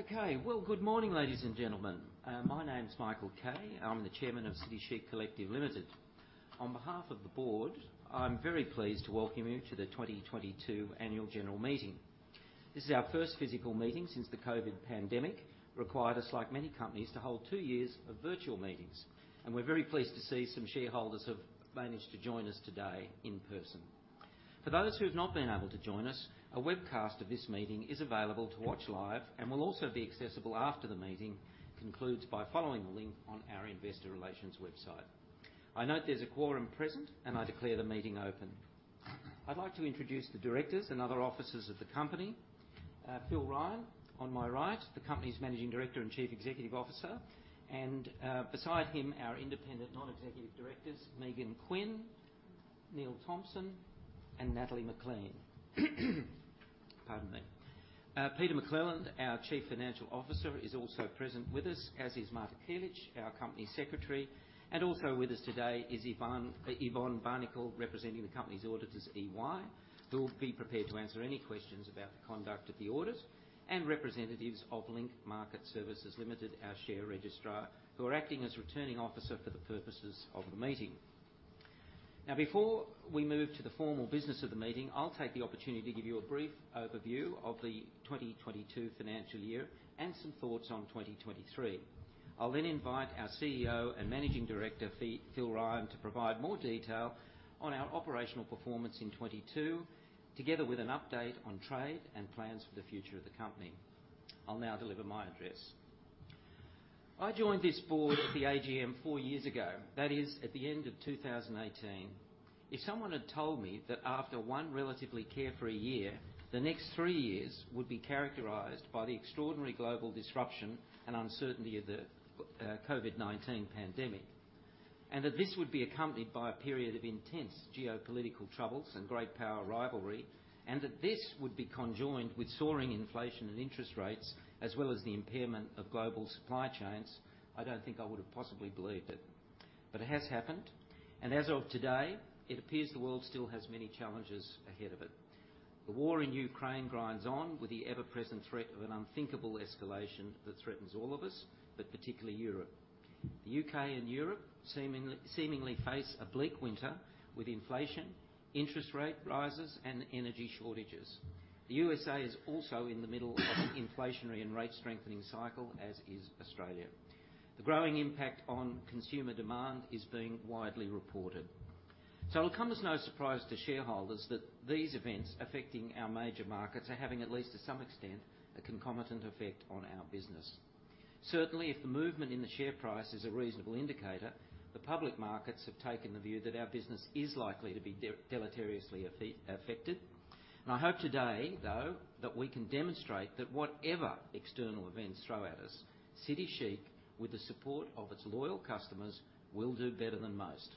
Okay. Well, good morning, ladies and gentlemen. My name's Michael Kay. I'm the Chairman of City Chic Collective Limited. On behalf of the Board, I'm very pleased to welcome you to the 2022 Annual General Meeting. This is our first physical meeting since the COVID pandemic required us, like many companies, to hold two years of virtual meetings. We're very pleased to see some shareholders have managed to join us today in person. For those who have not been able to join us, a webcast of this meeting is available to watch live and will also be accessible after the meeting concludes by following the link on our investor relations website. I note there's a quorum present. I declare the meeting open. I'd like to introduce the directors and other officers of the company. Phil Ryan, on my right, the company's Managing Director and Chief Executive Officer. Beside him, our Independent Non-Executive Directors, Megan Quinn, Neil Thompson, and Natalie McLean. Pardon me. Peter McClelland, our Chief Financial Officer, is also present with us, as is Marta Kielich, our Company Secretary. Also with us today is Yvonne Barnikel, representing the company's auditors, EY, who will be prepared to answer any questions about the conduct of the audit, and representatives of Link Market Services Limited, our Share Registrar, who are acting as returning officer for the purposes of the meeting. Before we move to the formal business of the meeting, I'll take the opportunity to give you a brief overview of the 2022 financial year and some thoughts on 2023. I'll then invite our CEO and Managing Director, Phil Ryan, to provide more detail on our operational performance in 2022, together with an update on trade and plans for the future of the company. I'll now deliver my address. I joined this Board at the AGM four years ago, that is, at the end of 2018. If someone had told me that after one relatively carefree year, the next three years would be characterized by the extraordinary global disruption and uncertainty of the COVID-19 pandemic, and that this would be accompanied by a period of intense geopolitical troubles and great power rivalry, and that this would be conjoined with soaring inflation and interest rates, as well as the impairment of global supply chains, I don't think I would have possibly believed it. It has happened, and as of today, it appears the world still has many challenges ahead of it. The war in Ukraine grinds on with the ever-present threat of an unthinkable escalation that threatens all of us, but particularly Europe. The U.K. and Europe seemingly face a bleak winter with inflation, interest rate rises, and energy shortages. The USA is also in the middle of an inflationary and rate-strengthening cycle, as is Australia. The growing impact on consumer demand is being widely reported. It'll come as no surprise to shareholders that these events affecting our major markets are having, at least to some extent, a concomitant effect on our business. Certainly, if the movement in the share price is a reasonable indicator, the public markets have taken the view that our business is likely to be deleteriously affected. I hope today, though, that we can demonstrate that whatever external events throw at us, City Chic, with the support of its loyal customers, will do better than most.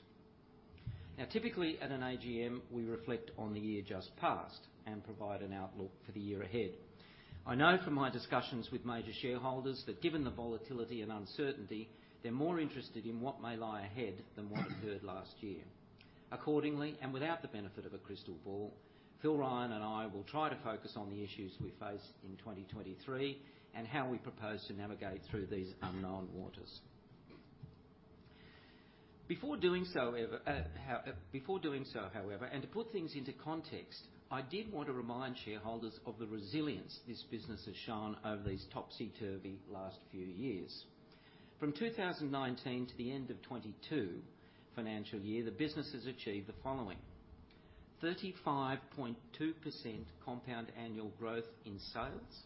Typically at an AGM, we reflect on the year just past and provide an outlook for the year ahead. I know from my discussions with major shareholders that given the volatility and uncertainty, they're more interested in what may lie ahead than what occurred last year. Accordingly, without the benefit of a crystal ball, Phil Ryan and I will try to focus on the issues we face in 2023 and how we propose to navigate through these unknown waters. Before doing so, however, and to put things into context, I did want to remind shareholders of the resilience this business has shown over these topsy-turvy last few years. From 2019 to the end of FY 2022, the business has achieved the following: 35.2% compound annual growth rate in sales,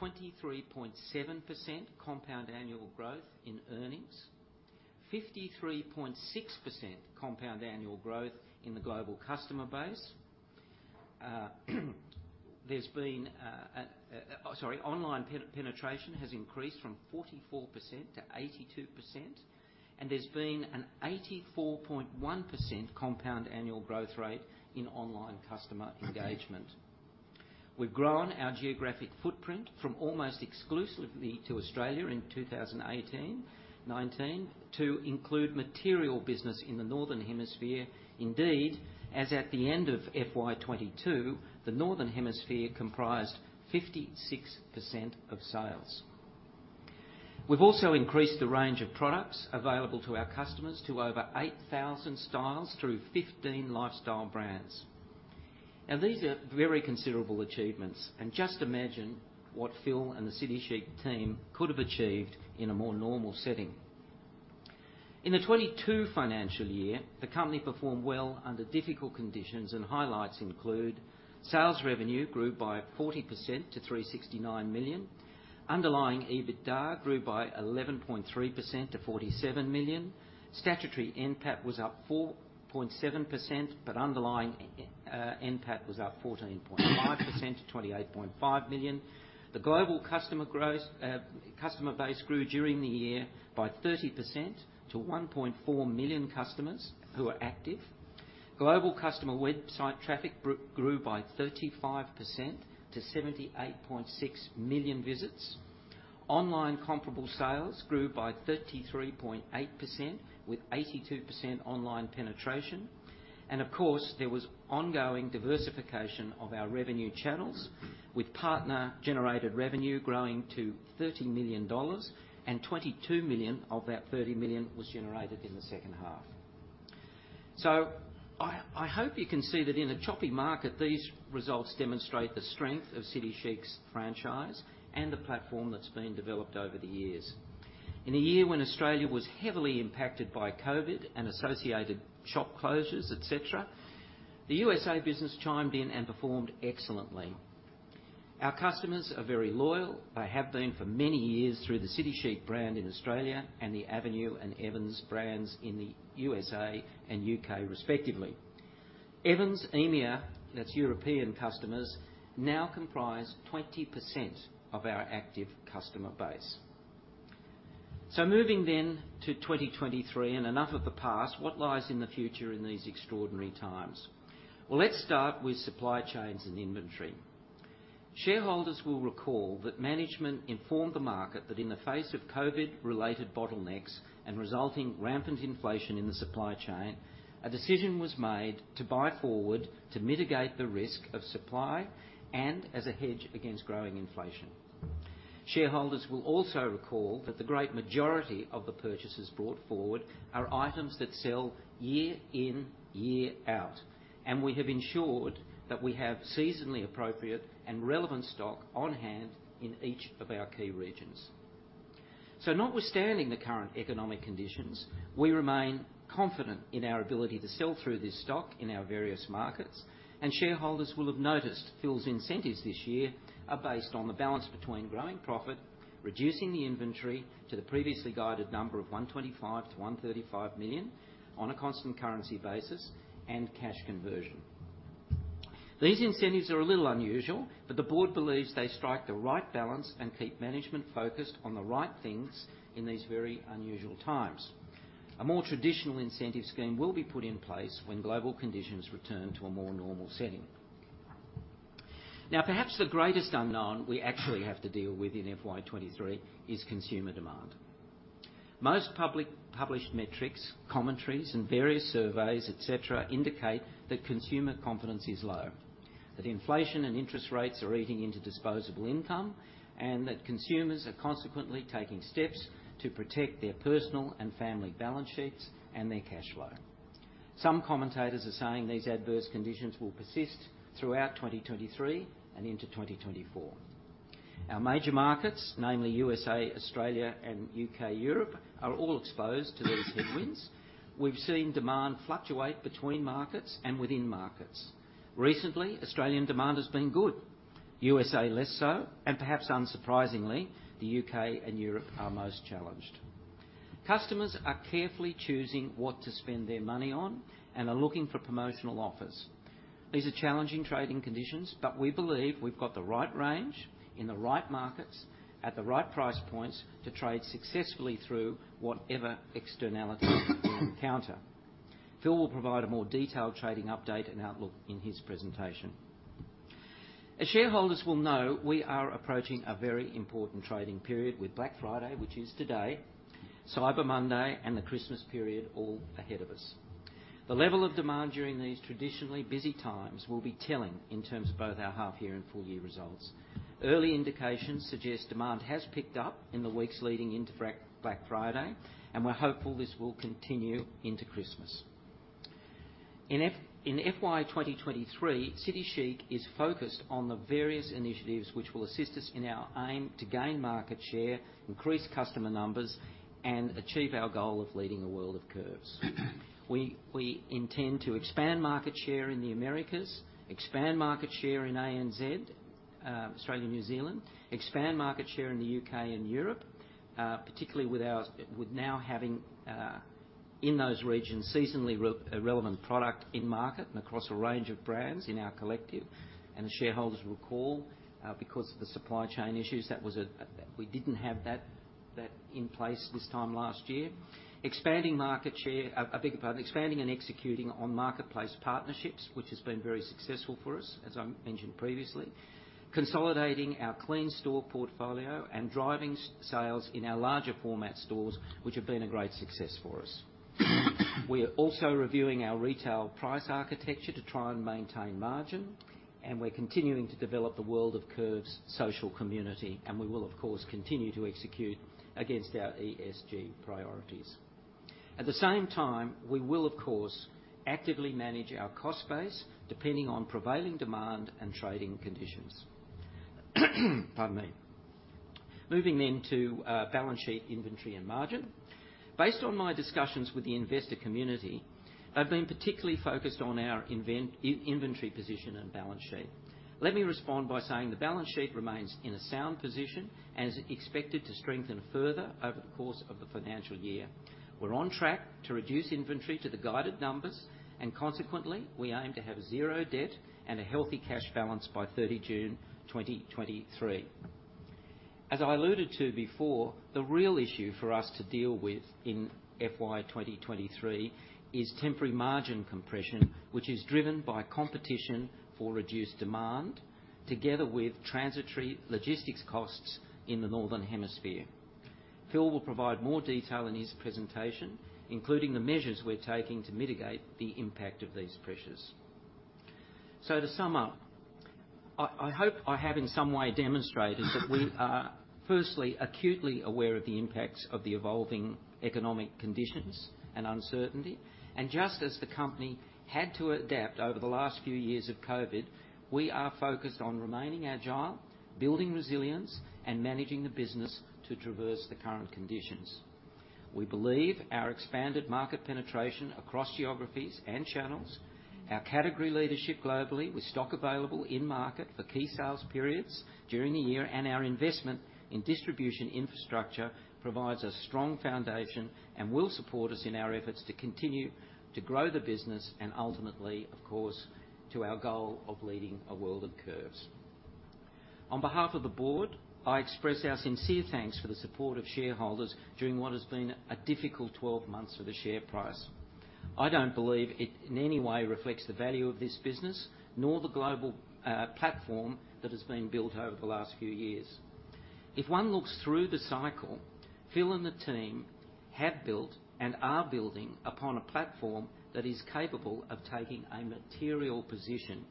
23.7% compound annual growth rate in earnings, 53.6% compound annual growth rate in the global customer base. Sorry, online penetration has increased from 44% to 82%, and there's been an 84.1% compound annual growth rate in online customer engagement. We've grown our geographic footprint from almost exclusively to Australia in 2018, 2019, to include material business in the Northern Hemisphere. Indeed, as at the end of FY 2022, the Northern Hemisphere comprised 56% of sales. We've also increased the range of products available to our customers to over 8,000 styles through 15 lifestyle brands. These are very considerable achievements, just imagine what Phil and the City Chic team could have achieved in a more normal setting. In the 2022 financial year, the company performed well under difficult conditions, highlights include sales revenue grew by 40% to 369 million. Underlying EBITDA grew by 11.3% to 47 million. Statutory NPAT was up 4.7%, but underlying NPAT was up 14.5% to 28.5 million. The global customer base grew during the year by 30% to 1.4 million customers who are active. Global customer website traffic grew by 35% to 78.6 million visits. Online comparable sales grew by 33.8% with 82% online penetration. Of course, there was ongoing diversification of our revenue channels with partner-generated revenue growing to 30 million dollars and 22 million of that 30 million was generated in the second half. I hope you can see that in a choppy market, these results demonstrate the strength of City Chic's franchise and the platform that's been developed over the years. In a year when Australia was heavily impacted by COVID and associated shop closures, et cetera, the USA business chimed in and performed excellently. Our customers are very loyal. They have been for many years through the City Chic brand in Australia and the Avenue and Evans brands in the USA and U.K. respectively. Evans EMEA, that's European customers, now comprise 20% of our active customer base. Moving then to 2023, and enough of the past, what lies in the future in these extraordinary times? Well, let's start with supply chains and inventory. Shareholders will recall that management informed the market that in the face of COVID-related bottlenecks and resulting rampant inflation in the supply chain, a decision was made to buy forward to mitigate the risk of supply and as a hedge against growing inflation. Shareholders will also recall that the great majority of the purchases brought forward are items that sell year in, year out, and we have ensured that we have seasonally appropriate and relevant stock on hand in each of our key regions. Notwithstanding the current economic conditions, we remain confident in our ability to sell through this stock in our various markets. Shareholders will have noticed Phil's incentives this year are based on the balance between growing profit, reducing the inventory to the previously guided number of 125 million-135 million on a constant currency basis and cash conversion. These incentives are a little unusual, but the Board believes they strike the right balance and keep management focused on the right things in these very unusual times. A more traditional incentive scheme will be put in place when global conditions return to a more normal setting. Perhaps the greatest unknown we actually have to deal with in FY 2023 is consumer demand. Most public published metrics, commentaries, and various surveys, et cetera, indicate that consumer confidence is low, that inflation and interest rates are eating into disposable income, and that consumers are consequently taking steps to protect their personal and family balance sheets and their cash flow. Some commentators are saying these adverse conditions will persist throughout 2023 and into 2024. Our major markets, namely USA, Australia and U.K., Europe, are all exposed to these headwinds. We've seen demand fluctuate between markets and within markets. Recently, Australian demand has been good, USA less so, and perhaps unsurprisingly, the U.K. and Europe are most challenged. Customers are carefully choosing what to spend their money on and are looking for promotional offers. These are challenging trading conditions, but we believe we've got the right range in the right markets at the right price points to trade successfully through whatever externality we encounter. Phil will provide a more detailed trading update and outlook in his presentation. As shareholders will know, we are approaching a very important trading period with Black Friday, which is today, Cyber Monday and the Christmas period all ahead of us. The level of demand during these traditionally busy times will be telling in terms of both our half year and full year results. Early indications suggest demand has picked up in the weeks leading into Black Friday, and we're hopeful this will continue into Christmas. In FY 2023, City Chic is focused on the various initiatives which will assist us in our aim to gain market share, increase customer numbers, and achieve our goal of "Lead a World of Curves". We intend to expand market share in the Americas, expand market share in ANZ—Australia and New Zealand—expand market share in the U.K. and Europe, particularly with now having in those regions, seasonally re-relevant product in market and across a range of brands in our collective. The shareholders recall, because of the supply chain issues, that we didn't have that in place this time last year. Expanding market share... I beg your pardon. Expanding and executing on marketplace partnerships, which has been very successful for us, as I mentioned previously. Consolidating our clean store portfolio and driving sales in our larger format stores, which have been a great success for us. We are also reviewing our retail price architecture to try and maintain margin, and we're continuing to develop the World of Curves social community, and we will of course continue to execute against our ESG priorities. At the same time, we will of course actively manage our cost base depending on prevailing demand and trading conditions. Pardon me. Moving then to balance sheet inventory and margin. Based on my discussions with the investor community, they've been particularly focused on our inventory position and balance sheet. Let me respond by saying the balance sheet remains in a sound position and is expected to strengthen further over the course of the financial year. We're on track to reduce inventory to the guided numbers, and consequently, we aim to have zero debt and a healthy cash balance by 30 June 2023. As I alluded to before, the real issue for us to deal with in FY 2023 is temporary margin compression, which is driven by competition for reduced demand together with transitory logistics costs in the Northern Hemisphere. Phil will provide more detail in his presentation, including the measures we're taking to mitigate the impact of these pressures. To sum up, I hope I have in some way demonstrated that we are firstly, acutely aware of the impacts of the evolving economic conditions and uncertainty. Just as the company had to adapt over the last few years of COVID, we are focused on remaining agile, building resilience, and managing the business to traverse the current conditions. We believe our expanded market penetration across geographies and channels, our category leadership globally with stock available in market for key sales periods during the year, and our investment in distribution infrastructure provides a strong foundation and will support us in our efforts to continue to grow the business and ultimately, of course, to our goal of "Lead a World of Curves". On behalf of the Board, I express our sincere thanks for the support of shareholders during what has been a difficult 12 months for the share price. I don't believe it in any way reflects the value of this business, nor the global platform that has been built over the last few years. If one looks through the cycle, Phil and the team have built and are building upon a platform that is capable of taking a material position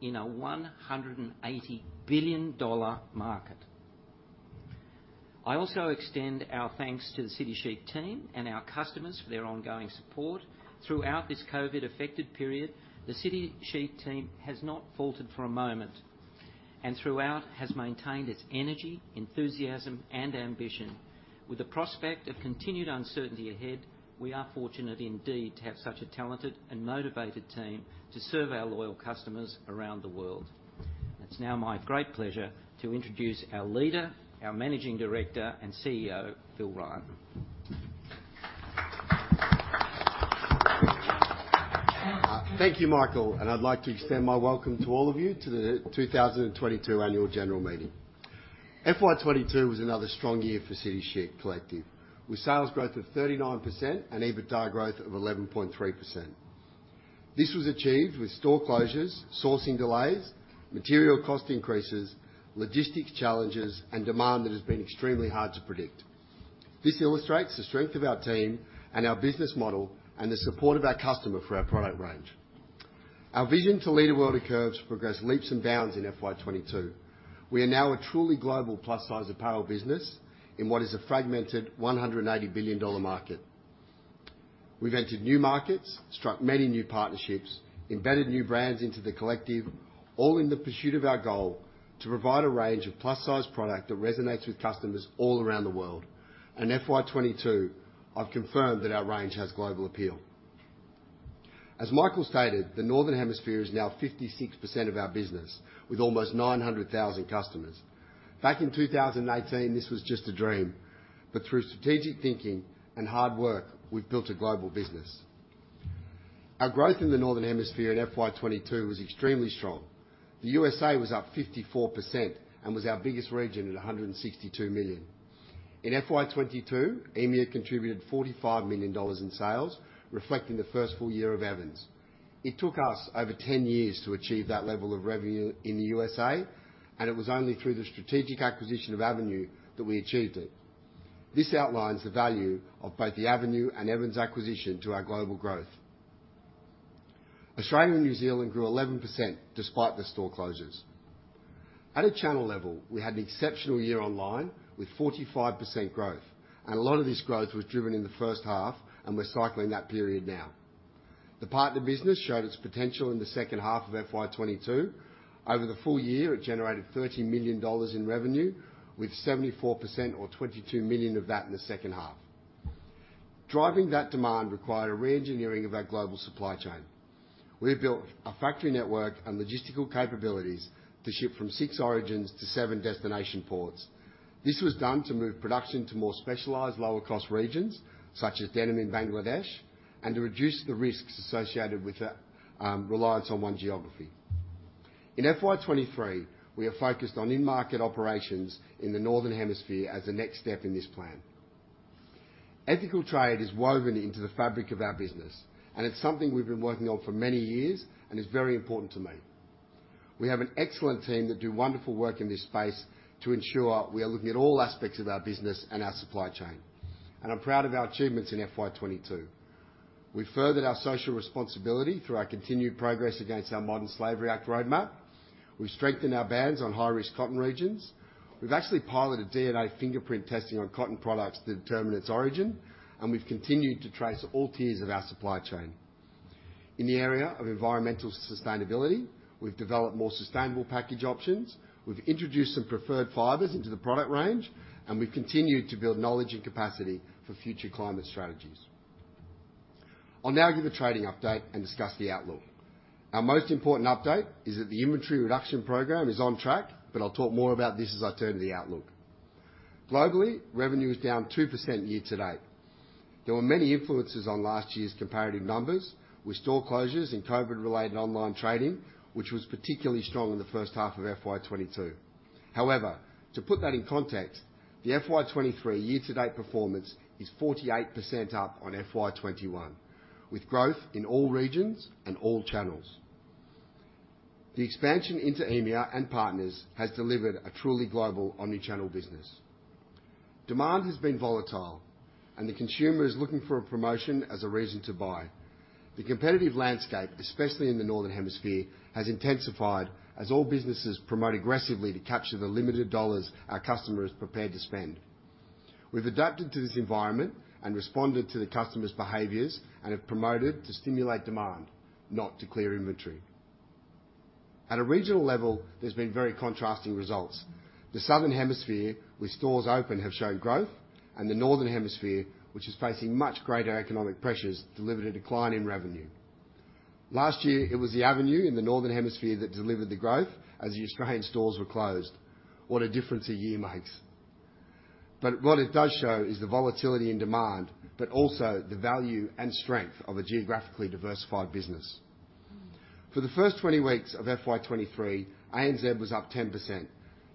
in a $180 billion market. I also extend our thanks to the City Chic team and our customers for their ongoing support. Throughout this COVID-affected period, the City Chic team has not faltered for a moment, and throughout has maintained its energy, enthusiasm, and ambition. With the prospect of continued uncertainty ahead, we are fortunate indeed to have such a talented and motivated team to serve our loyal customers around the world. It's now my great pleasure to introduce our leader, our Managing Director and CEO, Phil Ryan. Thank you, Michael, and I'd like to extend my welcome to all of you to the 2022 Annual General Meeting. FY 2022 was another strong year for City Chic Collective, with sales growth of 39% and EBITDA growth of 11.3%. This was achieved with store closures, sourcing delays, material cost increases, logistics challenges, and demand that has been extremely hard to predict. This illustrates the strength of our team and our business model, and the support of our customer for our product range. Our vision to "Lead a World of Curves" progressed leaps and bounds in FY 2022. We are now a truly global plus-size apparel business in what is a fragmented $180 billion market. We've entered new markets, struck many new partnerships, embedded new brands into the collective, all in the pursuit of our goal to provide a range of plus-size product that resonates with customers all around the world. In FY 2022, I've confirmed that our range has global appeal. As Michael stated, the Northern Hemisphere is now 56% of our business, with almost 900,000 customers. Back in 2018, this was just a dream. But through strategic thinking and hard work, we've built a global business. Our growth in the Northern Hemisphere in FY 2022 was extremely strong. The USA was up 54% and was our biggest region at 162 million. In FY 2022, EMEA contributed 45 million dollars in sales, reflecting the first full year of Evans. It took us over 10 years to achieve that level of revenue in the USA. It was only through the strategic acquisition of Avenue that we achieved it. This outlines the value of both the Avenue and Evans acquisition to our global growth. Australia and New Zealand grew 11% despite the store closures. At a channel level, we had an exceptional year online with 45% growth. A lot of this growth was driven in the first half, and we're cycling that period now. The partner business showed its potential in the second half of FY 2022. Over the full year, it generated 30 million dollars in revenue with 74% or 22 million of that in the second half. Driving that demand required a re-engineering of our global supply chain. We have built a factory network and logistical capabilities to ship from six origins to seven destination ports. This was done to move production to more specialized lower cost regions such as denim in Bangladesh, and to reduce the risks associated with the reliance on one geography. In FY 2023, we are focused on in-market operations in the Northern Hemisphere as the next step in this plan. Ethical trade is woven into the fabric of our business, and it's something we've been working on for many years and is very important to me. We have an excellent team that do wonderful work in this space to ensure we are looking at all aspects of our business and our supply chain, and I'm proud of our achievements in FY 2022. We've furthered our social responsibility through our continued progress against our Modern Slavery Act roadmap. We've strengthened our bans on high-risk cotton regions. We've actually piloted DNA fingerprint testing on cotton products to determine its origin. We've continued to trace all tiers of our supply chain. In the area of environmental sustainability, we've developed more sustainable package options. We've introduced some preferred fibers into the product range. We've continued to build knowledge and capacity for future climate strategies. I'll now give a trading update and discuss the outlook. Our most important update is that the inventory reduction program is on track. I'll talk more about this as I turn to the outlook. Globally, revenue is down 2% year-to-date. There were many influences on last year's comparative numbers with store closures and COVID-related online trading, which was particularly strong in the first half of FY 2022. To put that in context, the FY 2023 year to date performance is 48% up on FY 2021, with growth in all regions and all channels. The expansion into EMEA and partners has delivered a truly global omni-channel business. Demand has been volatile, and the consumer is looking for a promotion as a reason to buy. The competitive landscape, especially in the Northern Hemisphere, has intensified as all businesses promote aggressively to capture the limited dollars our customer is prepared to spend. We've adapted to this environment and responded to the customers' behaviors and have promoted to stimulate demand, not to clear inventory. At a regional level, there's been very contrasting results. The Southern Hemisphere with stores open have shown growth, and the Northern Hemisphere, which is facing much greater economic pressures, delivered a decline in revenue. Last year, it was the Avenue in the Northern Hemisphere that delivered the growth as the Australian stores were closed. What a difference a year makes. What it does show is the volatility in demand, but also the value and strength of a geographically diversified business. For the first 20 weeks of FY 2023, ANZ was up 10%,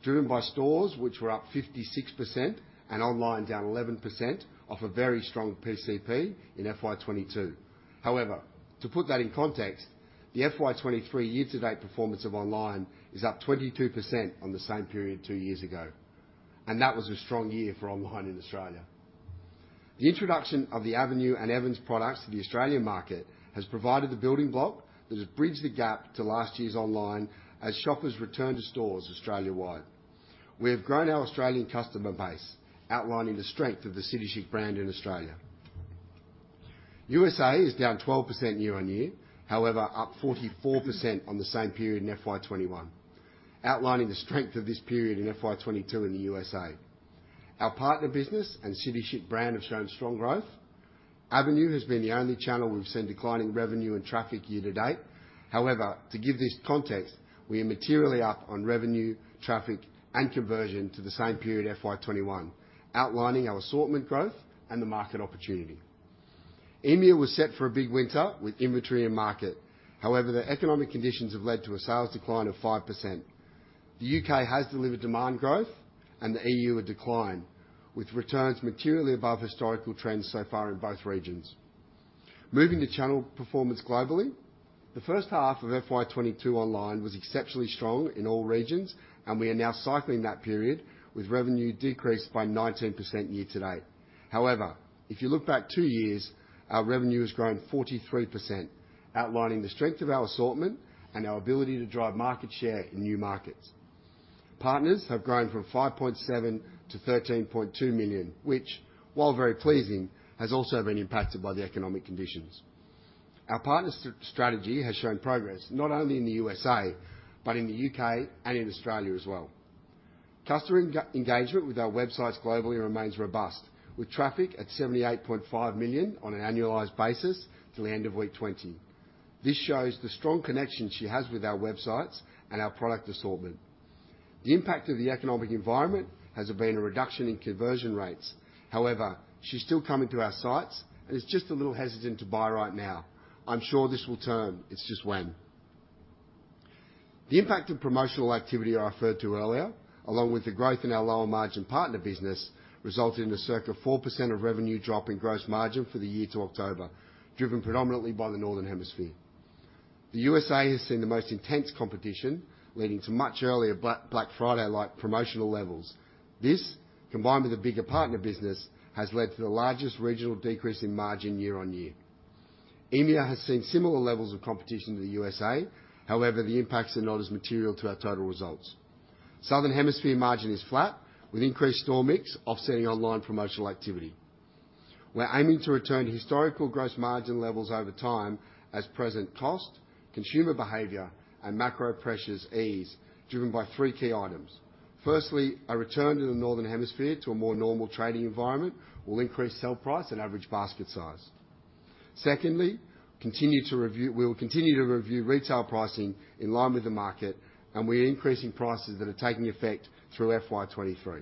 driven by stores which were up 56% and online down 11% off a very strong PCP in FY 2022. However, to put that in context, the FY 2023 year-to-date performance of online is up 22% on the same period two years ago, and that was a strong year for online in Australia. The introduction of the Avenue and Evans products to the Australian market has provided the building block that has bridged the gap to last year's online as shoppers return to stores Australia-wide. We have grown our Australian customer base, outlining the strength of the City Chic brand in Australia. USA is down 12% year-on-year. However, up 44% on the same period in FY 2021, outlining the strength of this period in FY 2022 in the USA. Our partner business and City Chic brand have shown strong growth. Avenue has been the only channel we've seen declining revenue and traffic year-to-date. However, to give this context, we are materially up on revenue, traffic, and conversion to the same period FY 2021, outlining our assortment growth and the market opportunity. EMEA was set for a big winter with inventory and market. However, the economic conditions have led to a sales decline of 5%. The U.K. has delivered demand growth and the EU a decline, with returns materially above historical trends so far in both regions. Moving to channel performance globally. The first half of FY 2022 online was exceptionally strong in all regions. We are now cycling that period with revenue decreased by 19% year-to-date. However, if you look back two years, our revenue has grown 43%, outlining the strength of our assortment and our ability to drive market share in new markets. Partners have grown from 5.7 million to 13.2 million which, while very pleasing, has also been impacted by the economic conditions. Our partners' strategy has shown progress not only in the USA, but in the U.K. and in Australia as well. Customer engagement with our websites globally remains robust, with traffic at 78.5 million visits on an annualized basis to the end of week 20. This shows the strong connection she has with our websites and our product assortment. The impact of the economic environment has been a reduction in conversion rates. She's still coming to our sites and is just a little hesitant to buy right now. I'm sure this will turn. It's just when. The impact of promotional activity I referred to earlier, along with the growth in our lower-margin partner business, resulted in a circa 4% of revenue drop in gross margin for the year to October, driven predominantly by the Northern Hemisphere. The USA has seen the most intense competition, leading to much earlier Black Friday-like promotional levels. This, combined with the bigger partner business, has led to the largest regional decrease in margin year-on-year. EMEA has seen similar levels of competition to the USA. The impacts are not as material to our total results. Southern Hemisphere margin is flat, with increased store mix offsetting online promotional activity. We're aiming to return to historical gross margin levels over time as present cost, consumer behavior, and macro pressures ease, driven by three key items. Firstly, a return to the Northern Hemisphere to a more normal trading environment will increase sell price and average basket size. Secondly, We will continue to review retail pricing in line with the market, and we are increasing prices that are taking effect through FY 2023.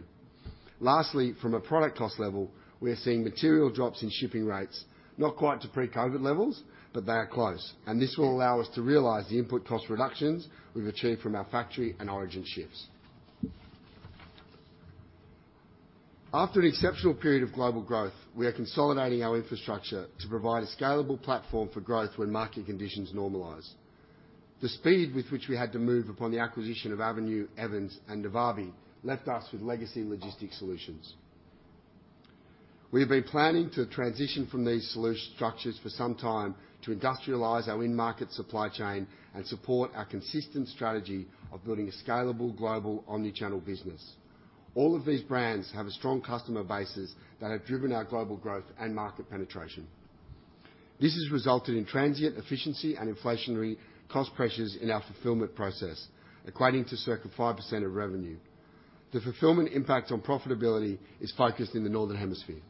Lastly, from a product cost level, we are seeing material drops in shipping rates, not quite to pre-COVID levels, but they are close, and this will allow us to realize the input cost reductions we've achieved from our factory and origin shifts. After an exceptional period of global growth, we are consolidating our infrastructure to provide a scalable platform for growth when market conditions normalize. The speed with which we had to move upon the acquisition of Avenue, Evans, and Navabi left us with legacy logistic solutions. We have been planning to transition from these solution structures for some time to industrialize our in-market supply chain and support our consistent strategy of building a scalable global omni-channel business. All of these brands have a strong customer bases that have driven our global growth and market penetration. This has resulted in transient efficiency and inflationary cost pressures in our fulfillment process, equating to circa 5% of revenue. The fulfillment impact on profitability is focused in the Northern Hemisphere.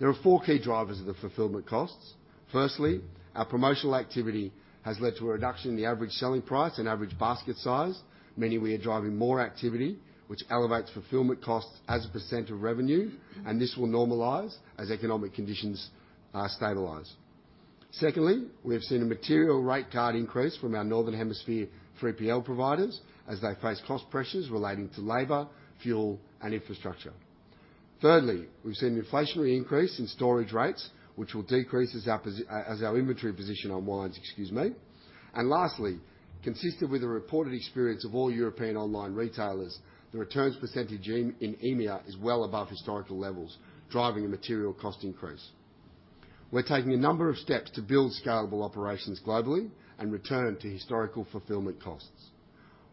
There are four key drivers of the fulfillment costs. Firstly, our promotional activity has led to a reduction in the average selling price and average basket size, meaning we are driving more activity which elevates fulfillment costs as a percentage of revenue, and this will normalize as economic conditions stabilize. Secondly, we have seen a material rate card increase from our Northern Hemisphere 3PL providers as they face cost pressures relating to labor, fuel, and infrastructure. Thirdly, we've seen an inflationary increase in storage rates, which will decrease as our inventory position unwinds, excuse me. Lastly, consistent with the reported experience of all European online retailers, the returns percentage in EMEA is well above historical levels, driving a material cost increase. We're taking a number of steps to build scalable operations globally and return to historical fulfillment costs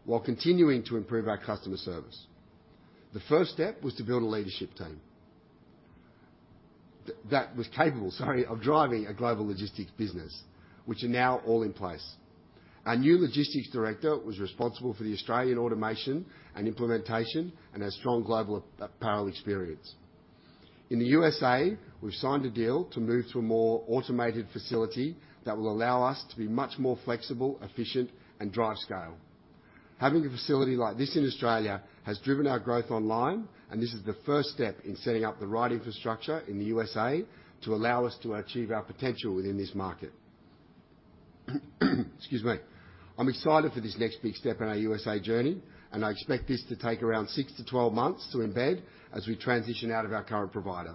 while continuing to improve our customer service. The first step was to build a leadership team that was capable, sorry, of driving a global logistics business, which are now all in place. Our new logistics director was responsible for the Australian automation and implementation, and has strong global, parallel experience. In the USA, we've signed a deal to move to a more automated facility that will allow us to be much more flexible, efficient, and drive scale. Having a facility like this in Australia has driven our growth online. This is the first step in setting up the right infrastructure in the USA to allow us to achieve our potential within this market. Excuse me. I'm excited for this next big step in our USA journey. I expect this to take around six to 12 months to embed as we transition out of our current provider.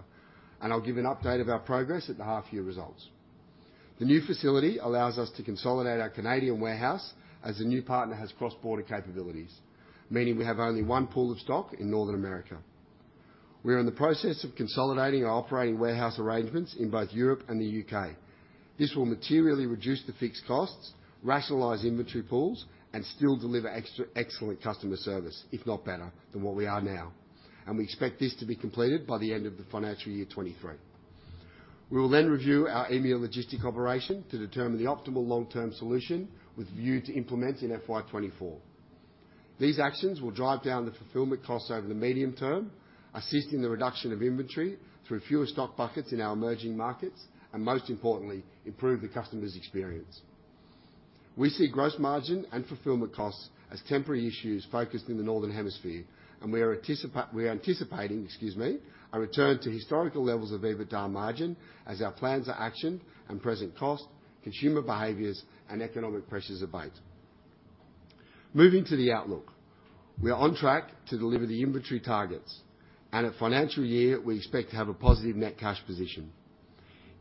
I'll give an update of our progress at the half year results. The new facility allows us to consolidate our Canadian warehouse as the new partner has cross-border capabilities, meaning we have only one pool of stock in North America. We are in the process of consolidating our operating warehouse arrangements in both Europe and the U.K. This will materially reduce the fixed costs, rationalize inventory pools, and still deliver an excellent customer service, if not better than what we are now. We expect this to be completed by the end of the financial year 2023. We will then review our EMEA logistic operation to determine the optimal long-term solution with view to implement in FY 2024. These actions will drive down the fulfillment costs over the medium term, assisting the reduction of inventory through fewer stock buckets in our emerging markets, and most importantly, improve the customer's experience. We see gross margin and fulfillment costs as temporary issues focused in the Northern Hemisphere. We are anticipating, excuse me, a return to historical levels of EBITDA margin as our plans are actioned and present cost, consumer behaviors, and economic pressures abate. Moving to the outlook. We are on track to deliver the inventory targets. At financial year, we expect to have a positive net cash position.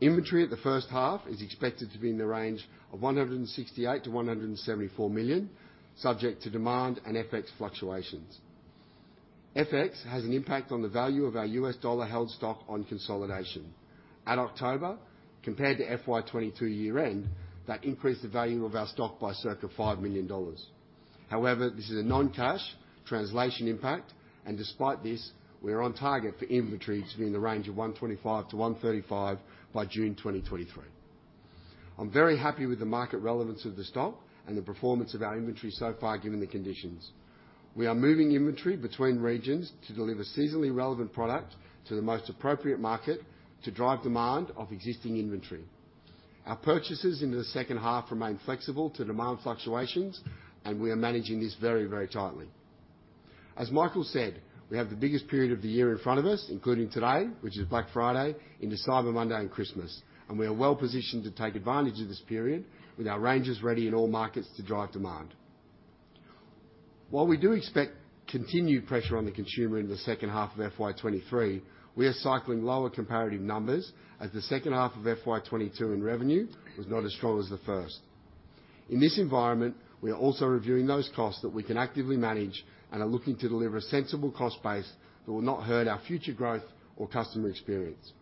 Inventory at the first half is expected to be in the range of 168 million-174 million, subject to demand and FX fluctuations. FX has an impact on the value of our US dollar-held stock on consolidation. At October, compared to FY 2022 year-end, that increased the value of our stock by circa 5 million dollars. However, this is a non-cash translation impact. Despite this, we are on target for inventory to be in the range of 125 million-135 million by June 2023. I'm very happy with the market relevance of the stock and the performance of our inventory so far, given the conditions. We are moving inventory between regions to deliver seasonally relevant product to the most appropriate market to drive demand of existing inventory. Our purchases into the second half remain flexible to demand fluctuations. We are managing this very, very tightly. As Michael said, we have the biggest period of the year in front of us, including today, which is Black Friday into Cyber Monday and Christmas. We are well-positioned to take advantage of this period with our ranges ready in all markets to drive demand. While we do expect continued pressure on the consumer in the second half of FY 2023, we are cycling lower comparative numbers as the second half of FY 2022 in revenue was not as strong as the first. In this environment, we are also reviewing those costs that we can actively manage and are looking to deliver a sensible cost base that will not hurt our future growth or customer experience.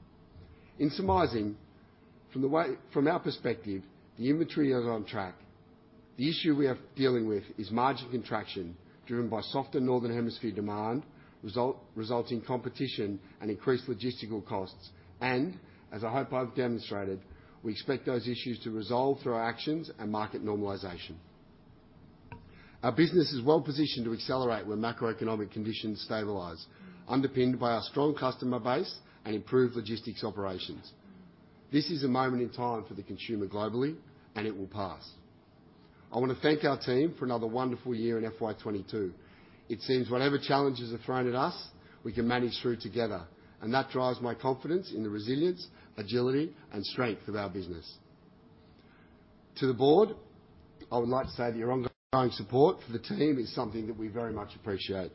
In summarizing, from our perspective, the inventory is on track. The issue we are dealing with is margin contraction driven by softer Northern Hemisphere demand, resulting competition and increased logistical costs. As I hope I've demonstrated, we expect those issues to resolve through our actions and market normalization. Our business is well positioned to accelerate when macroeconomic conditions stabilize, underpinned by our strong customer base and improved logistics operations. This is a moment in time for the consumer globally, and it will pass. I wanna thank our team for another wonderful year in FY 2022. It seems whatever challenges are thrown at us, we can manage through together, and that drives my confidence in the resilience, agility, and strength of our business. To the Board, I would like to say that your ongoing support for the team is something that we very much appreciate.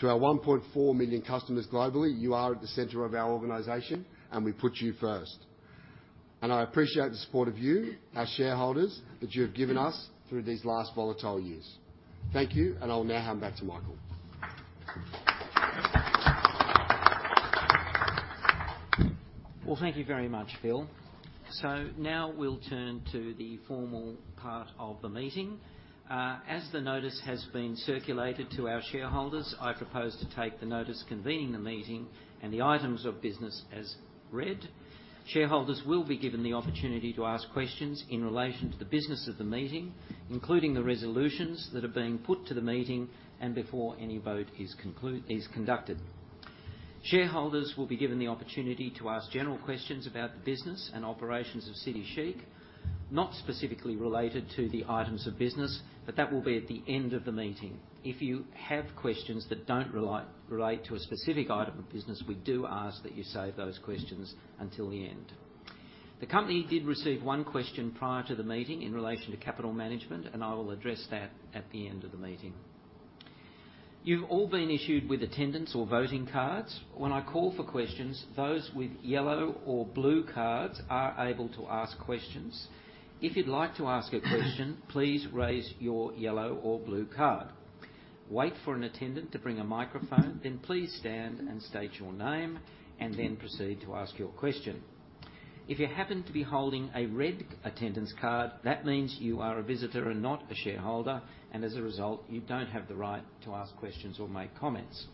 To our 1.4 million customers globally, you are at the center of our organization, and we put you first. I appreciate the support of you, our shareholders, that you have given us through these last volatile years. Thank you, I'll now hand back to Michael. Well, thank you very much, Phil. Now we'll turn to the formal part of the meeting. As the notice has been circulated to our shareholders, I propose to take the notice convening the meeting and the items of business as read. Shareholders will be given the opportunity to ask questions in relation to the business of the meeting, including the resolutions that are being put to the meeting and before any vote is conducted. Shareholders will be given the opportunity to ask general questions about the business and operations of City Chic, not specifically related to the items of business, but that will be at the end of the meeting. If you have questions that don't relate to a specific item of business, we do ask that you save those questions until the end. The company did receive one question prior to the meeting in relation to capital management, and I will address that at the end of the meeting. You've all been issued with attendance or voting cards. When I call for questions, those with yellow or blue cards are able to ask questions. If you'd like to ask a question, please raise your yellow or blue card. Wait for an attendant to bring a microphone, then please stand and state your name, and then proceed to ask your question. If you happen to be holding a red attendance card, that means you are a visitor and not a shareholder, and as a result, you don't have the right to ask questions or make comments.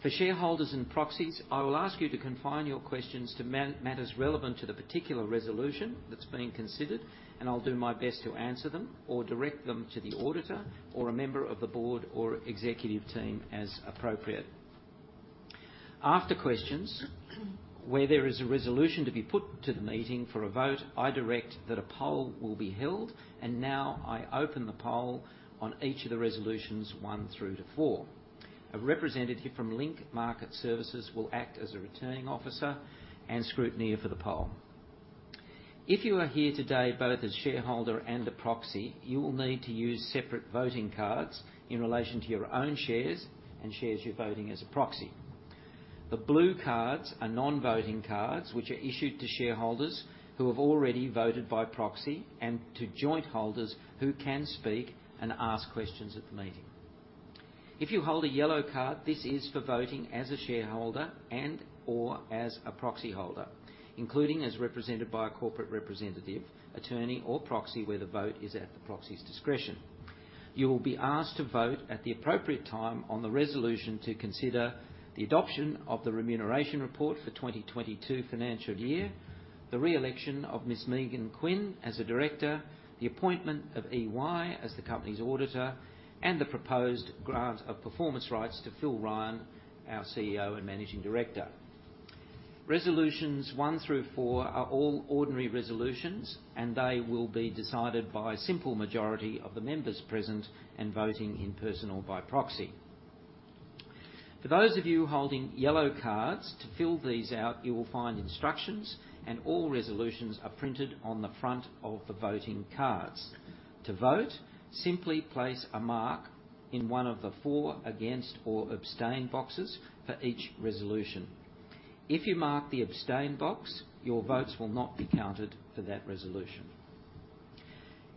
For shareholders and proxies, I will ask you to confine your questions to matters relevant to the particular resolution that's being considered, and I'll do my best to answer them or direct them to the auditor or a member of the Board or executive team as appropriate. After questions, where there is a resolution to be put to the meeting for a vote, I direct that a poll will be held. Now I open the poll on each of the resolutions one through to four. A representative from Link Market Services will act as a returning officer and scrutineer for the poll. If you are here today, both as shareholder and a proxy, you will need to use separate voting cards in relation to your own shares and shares you're voting as a proxy. The blue cards are non-voting cards, which are issued to shareholders who have already voted by proxy and to joint holders who can speak and ask questions at the meeting. If you hold a yellow card, this is for voting as a shareholder and/or as a proxy holder, including as represented by a corporate representative, attorney, or proxy, where the vote is at the proxy's discretion. You will be asked to vote at the appropriate time on the resolution to consider the adoption of the remuneration report for 2022 financial year, the re-election of Ms. Megan Quinn as a director, the appointment of Ernst & Young as the company's auditor, and the proposed grant of performance rights to Phil Ryan, our CEO and Managing Director. Resolutions one through four are all ordinary resolutions, and they will be decided by a simple majority of the members present and voting in-person or by proxy. For those of you holding yellow cards, to fill these out, you will find instructions and all resolutions are printed on the front of the voting cards. To vote, simply place a mark in one of the for, against, or abstain boxes for each resolution. If you mark the abstain box, your votes will not be counted for that resolution.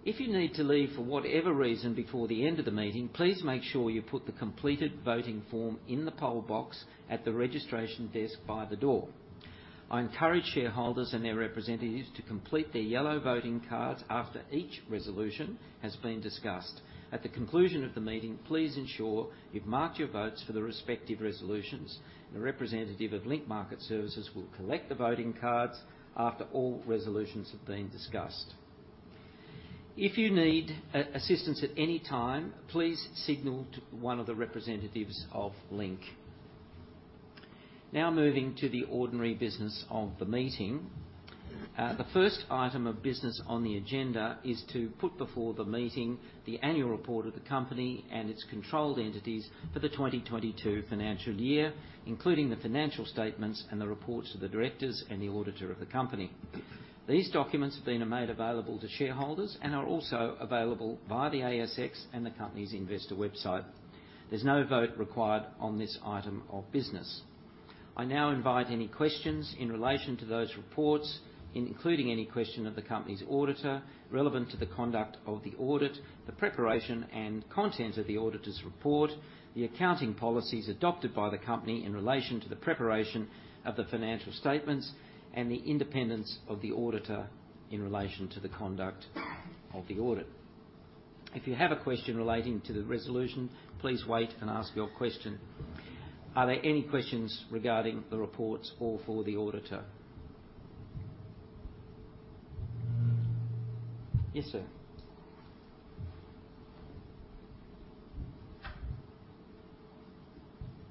If you need to leave for whatever reason before the end of the meeting, please make sure you put the completed voting form in the poll box at the registration desk by the door. I encourage shareholders and their representatives to complete their yellow voting cards after each resolution has been discussed. At the conclusion of the meeting, please ensure you've marked your votes for the respective resolutions. The representative of Link Market Services will collect the voting cards after all resolutions have been discussed. If you need assistance at any time, please signal to one of the representatives of Link. Moving to the ordinary business of the meeting. The first item of business on the agenda is to put before the meeting the annual report of the company and its controlled entities for the 2022 financial year, including the financial statements and the reports of the directors and the auditor of the company. These documents have been made available to shareholders and are also available via the ASX and the company's investor website. There's no vote required on this item of business. I now invite any questions in relation to those reports, including any question of the company's auditor relevant to the conduct of the audit, the preparation and contents of the auditor's report, the accounting policies adopted by the company in relation to the preparation of the financial statements, and the independence of the auditor in relation to the conduct of the audit. If you have a question relating to the resolution, please wait and ask your question. Are there any questions regarding the reports or for the auditor? Yes, sir.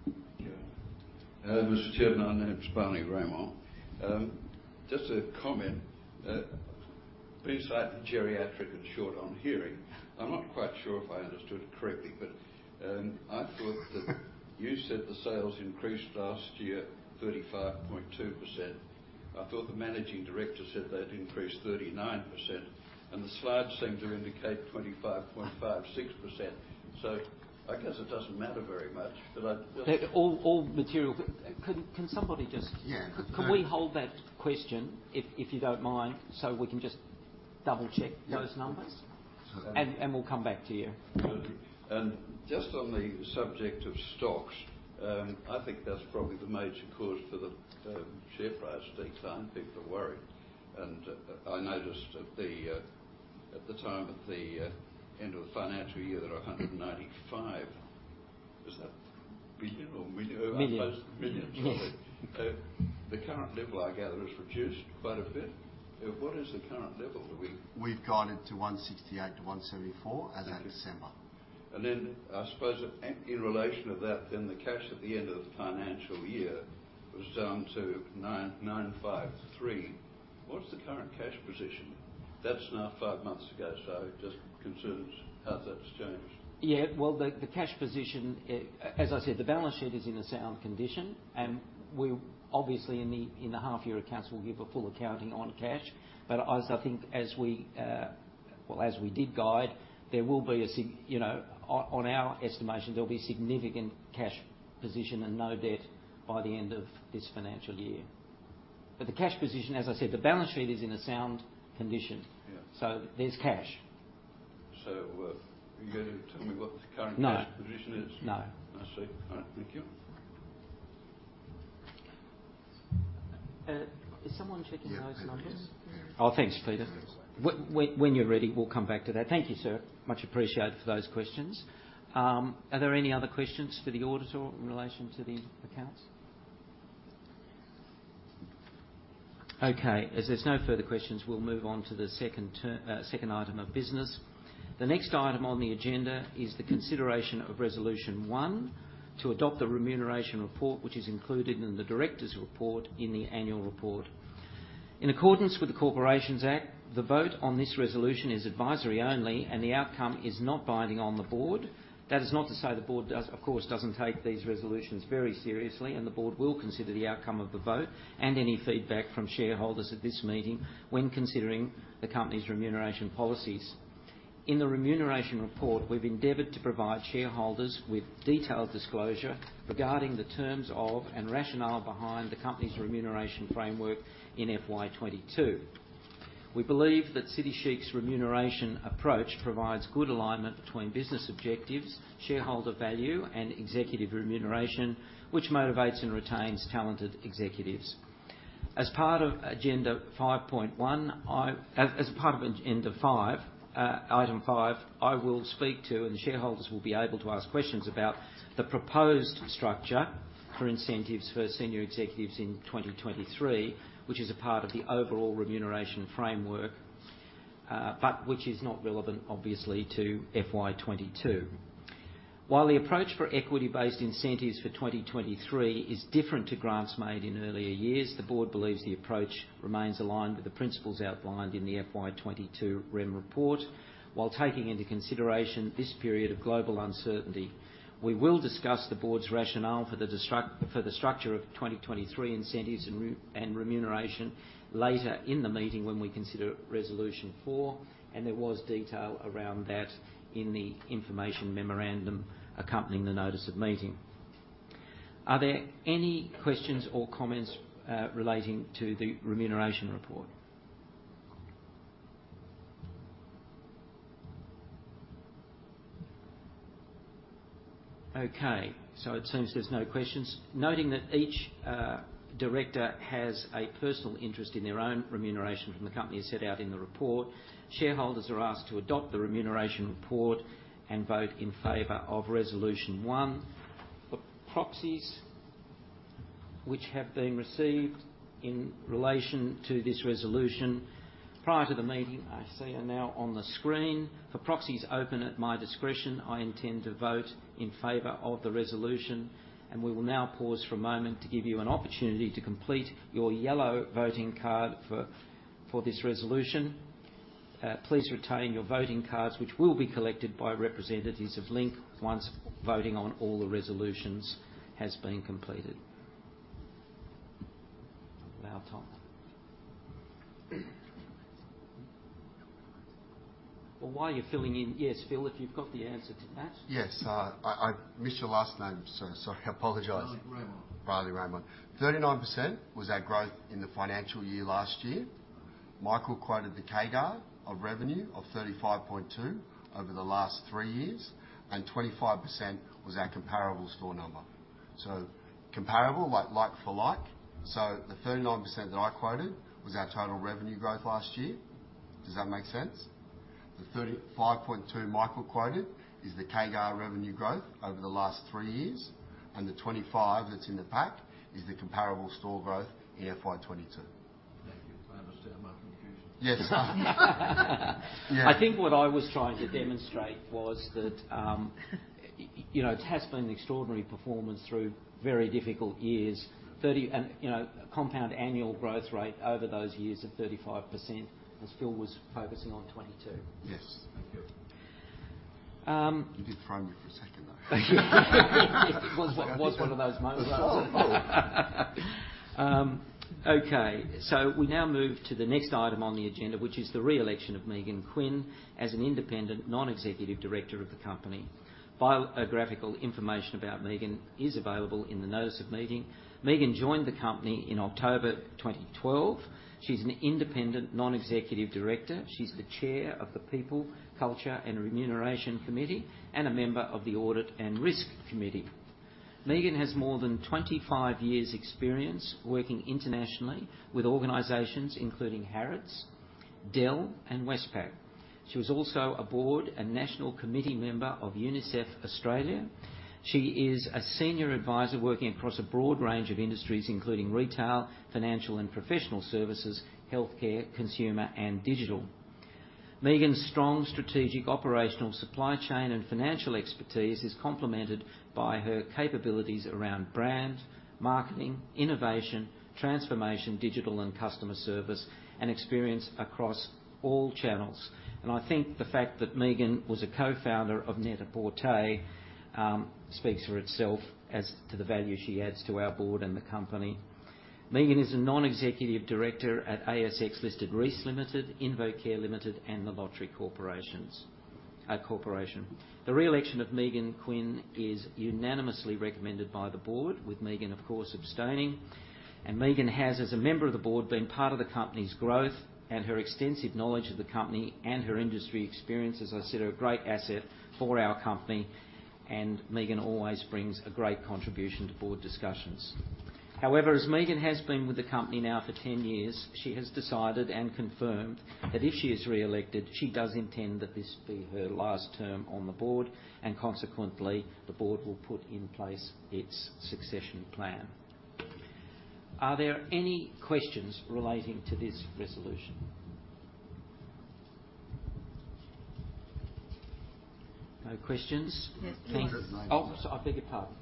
Thank you. Mr. Chairman, my name is Barney Gramont. Just a comment. Being slightly geriatric and short on hearing, I'm not quite sure if I understood it correctly, but I thought that you said the sales increased last year 35.2%. I thought the Managing Director said they'd increased 39%, and the slides seem to indicate 25.56%. I guess it doesn't matter very much, but I— All material... Can somebody just- Yeah. Could we hold that question if you don't mind, so we can just double-check those numbers? Sure. We'll come back to you. Thank you. Just on the subject of stocks, I think that's probably the major cause for the share price decline. People are worried. I noticed at the time of the end of the financial year, there was 195, is that in billion or in million? Million. Million, sorry. Yes. The current level, I gather, has reduced quite a bit. What is the current level that we got? We've got it to 168 million to 174 million as at December. I suppose, in relation to that, the cash at the end of the financial year was down to 9.95 million. What is the current cash position? That's now five months ago, so it just concerns how that's changed. Well, the cash position, as I said, the balance sheet is in a sound condition, and we obviously in the half year accounts will give a full accounting on cash. As I think as we, well, as we did guide, You know, on our estimation, there'll be significant cash position and no debt by the end of this financial year. The cash position, as I said, the balance sheet is in a sound condition. Yeah. There's cash. Are you gonna tell me what the current— No. Current cash position is? No. I see. All right, thank you. Is someone checking those numbers? Oh, thanks, Peter. When you're ready, we'll come back to that. Thank you, sir. Much appreciated for those questions. Are there any other questions for the auditor in relation to the accounts? Okay. As there's no further questions, we'll move on to the second item of business. The next item on the agenda is the consideration of Resolution 1, to adopt the remuneration report which is included in the director's report in the annual report. In accordance with the Corporations Act, the vote on this resolution is advisory only, and the outcome is not binding on the Board. That is not to say the Board does, of course, doesn't take these resolutions very seriously, and the Board will consider the outcome of the vote and any feedback from shareholders at this meeting when considering the company's remuneration policies. In the remuneration report, we've endeavored to provide shareholders with detailed disclosure regarding the terms of and rationale behind the company's remuneration framework in FY 2022. We believe that City Chic's remuneration approach provides good alignment between business objectives, shareholder value and executive remuneration, which motivates and retains talented executives. As part of agenda 5, item 5, I will speak to, and the shareholders will be able to ask questions about, the proposed structure for incentives for senior executives in 2023, which is a part of the overall remuneration framework, but which is not relevant obviously to FY 2022. While the approach for equity-based incentives for 2023 is different to grants made in earlier years, the Board believes the approach remains aligned with the principles outlined in the FY 2022 Remuneration Report, while taking into consideration this period of global uncertainty. We will discuss the Board's rationale for the structure of 2023 incentives and remuneration later in the meeting when we consider Resolution 4, and there was detail around that in the information memorandum accompanying the notice of meeting. Are there any questions or comments relating to the remuneration report? Okay. It seems there's no questions. Noting that each director has a personal interest in their own remuneration from the company as set out in the report, shareholders are asked to adopt the remuneration report and vote in favor of Resolution 1. The proxies which have been received in relation to this resolution prior to the meeting, I see are now on the screen. For proxies open at my discretion, I intend to vote in favor of the resolution. We will now pause for a moment to give you an opportunity to complete your yellow voting card for this resolution. Please retain your voting cards, which will be collected by representatives of Link once voting on all the resolutions has been completed. Allow time. While you're filling in... Yes, Phil, if you've got the answer to that. Yes. I missed your last name, sir. Sorry. I apologize. Barney Gramont. 39% was our growth in the financial year last year. Michael quoted the CAGR of revenue of 35.2% over the last three years, and 25% was our comparable store number. Comparable, like-for-like. The 39% that I quoted was our total revenue growth last year. Does that make sense? The 35.2% Michael quoted is the CAGR revenue growth over the last three years, and the 25% that's in the pack is the comparable store growth in FY 2022. Thank you. I understand my confusion. Yes. I think what I was trying to demonstrate was that, you know, it has been an extraordinary performance through very difficult years. You know, compound annual growth rate over those years of 35%, as Phil was focusing on 2022. Yes. Thank you. Um- You did throw me for a second, though. It was one of those moments. Okay. We now move to the next item on the agenda, which is the reelection of Megan Quinn as an independent non-executive director of the company. Biographical information about Megan is available in the notice of meeting. Megan joined the company in October 2012. She's an independent non-executive director. She's the chair of the People, Culture and Remuneration Committee and a member of the Audit and Risk Committee. Megan has more than 25 years' experience working internationally with organizations including Harrods, Dell and Westpac. She was also a board and national committee member of UNICEF Australia. She is a senior advisor working across a broad range of industries including retail, financial and professional services, healthcare, consumer and digital. Megan's strong strategic operational supply chain and financial expertise is complemented by her capabilities around brand, marketing, innovation, transformation, digital and customer service, and experience across all channels. I think the fact that Megan was a co-founder of NET-A-PORTER speaks for itself as to the value she adds to our Board and the company. Megan is a non-executive director at ASX-listed Reece Limited, InvoCare Limited, and The Lottery Corporation. The re-election of Megan Quinn is unanimously recommended by the Board, with Megan, of course, abstaining. Megan has, as a member of the Board, been part of the company's growth, and her extensive knowledge of the company and her industry experience, as I said, are a great asset for our company, and Megan always brings a great contribution to Board discussions. However, as Megan has been with the company now for 10 years, she has decided and confirmed that if she is re-elected, she does intend that this be her last term on the Board, and consequently, the Board will put in place its succession plan. Are there any questions relating to this resolution? No questions. Yes. I beg your pardon.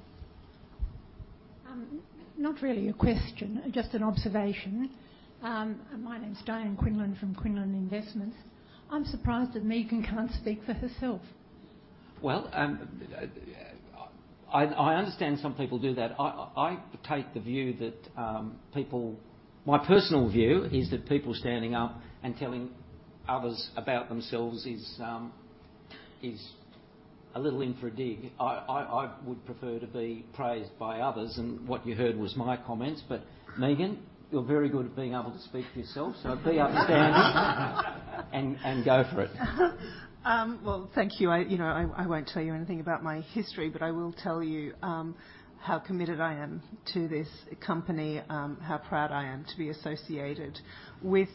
Not really a question, just an observation. My name is Diane Quinlan from Quinlan Investments. I'm surprised that Megan can't speak for herself. Well, I understand some people do that. I take the view that people. My personal view is that people standing up and telling others about themselves is a little infra dig. I would prefer to be praised by others, and what you heard was my comments. Megan, you're very good at being able to speak for yourself. Be understanding and go for it. Well, thank you. I, you know, I won't tell you anything about my history, but I will tell you how committed I am to this company, how proud I am to be associated with,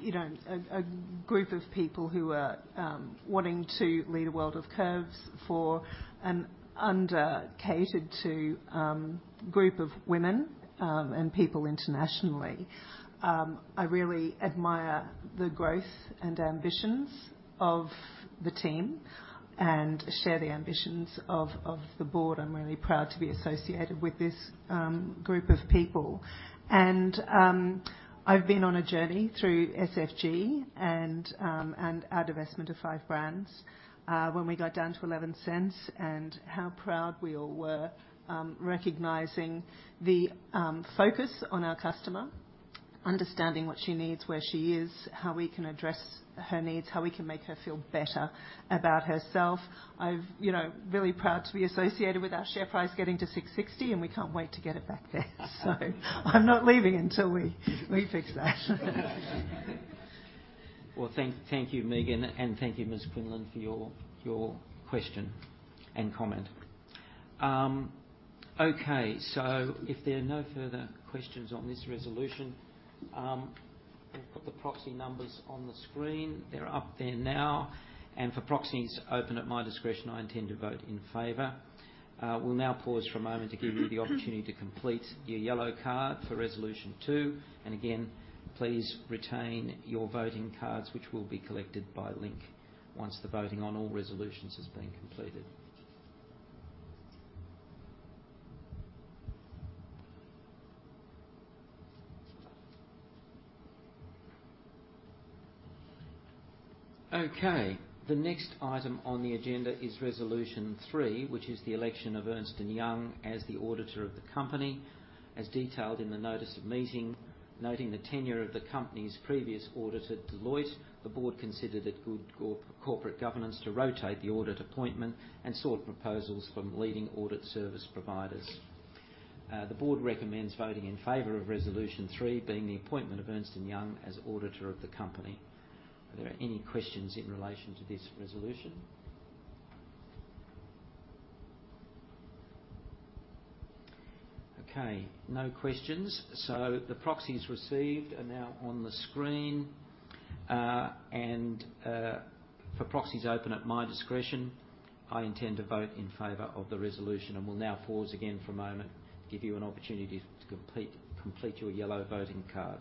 you know, a group of people who are wanting to "Lead a World of Curves" for an under-catered to group of women and people internationally. I really admire the growth and ambitions of the team and share the ambitions of the board. I'm really proud to be associated with this group of people. I've been on a journey through SFG and our divestment of Five Brands, when we got down to 0.11, and how proud we all were, recognizing the focus on our customer, understanding what she needs, where she is, how we can address her needs, how we can make her feel better about herself. I've, you know, really proud to be associated with our share price getting to 6.60, and we can't wait to get it back there. I'm not leaving until we fix that. Well, thank you, Megan, and thank you, Ms. Quinlan, for your question and comment. Okay, if there are no further questions on this resolution, we'll put the proxy numbers on the screen. They're up there now. For proxies open at my discretion, I intend to vote in favor. We'll now pause for a moment to give you the opportunity to complete your yellow card for Resolution 2. Again, please retain your voting cards, which will be collected by Link once the voting on all resolutions has been completed. Okay. The next item on the agenda is Resolution 3, which is the election of Ernst & Young as the auditor of the company, as detailed in the notice of meeting. Noting the tenure of the company's previous auditor, Deloitte, the Board considered it good corporate governance to rotate the audit appointment and sought proposals from leading audit service providers. The Board recommends voting in favor of Resolution 3, being the appointment of Ernst & Young as auditor of the company. Are there any questions in relation to this resolution? No questions. The proxies received are now on the screen. For proxies open at my discretion, I intend to vote in favor of the resolution. We'll now pause again for a moment to give you an opportunity to complete your yellow voting card.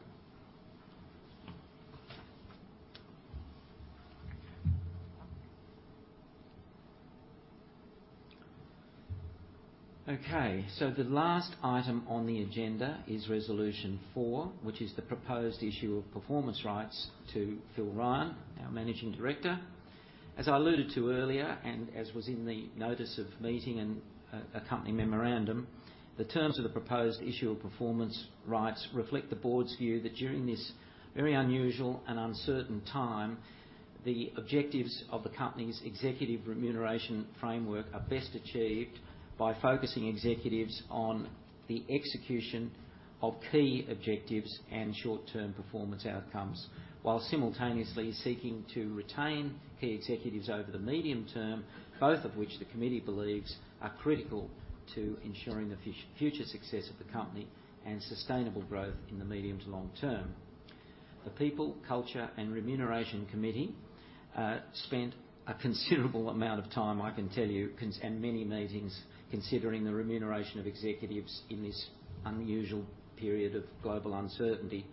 The last item on the agenda is Resolution 4, which is the proposed issue of performance rights to Phil Ryan, our Managing Director. As I alluded to earlier, and as was in the notice of meeting and accompanying memorandum, the terms of the proposed issue of performance rights reflect the Board's view that during this very unusual and uncertain time, the objectives of the company's executive remuneration framework are best achieved by focusing executives on the execution of key objectives and short-term performance outcomes, while simultaneously seeking to retain key executives over the medium term, both of which the committee believes are critical to ensuring the future success of the company and sustainable growth in the medium to long term. The People, Culture and Remuneration Committee spent a considerable amount of time, I can tell you, and many meetings considering the remuneration of executives in this unusual period of global uncertainty.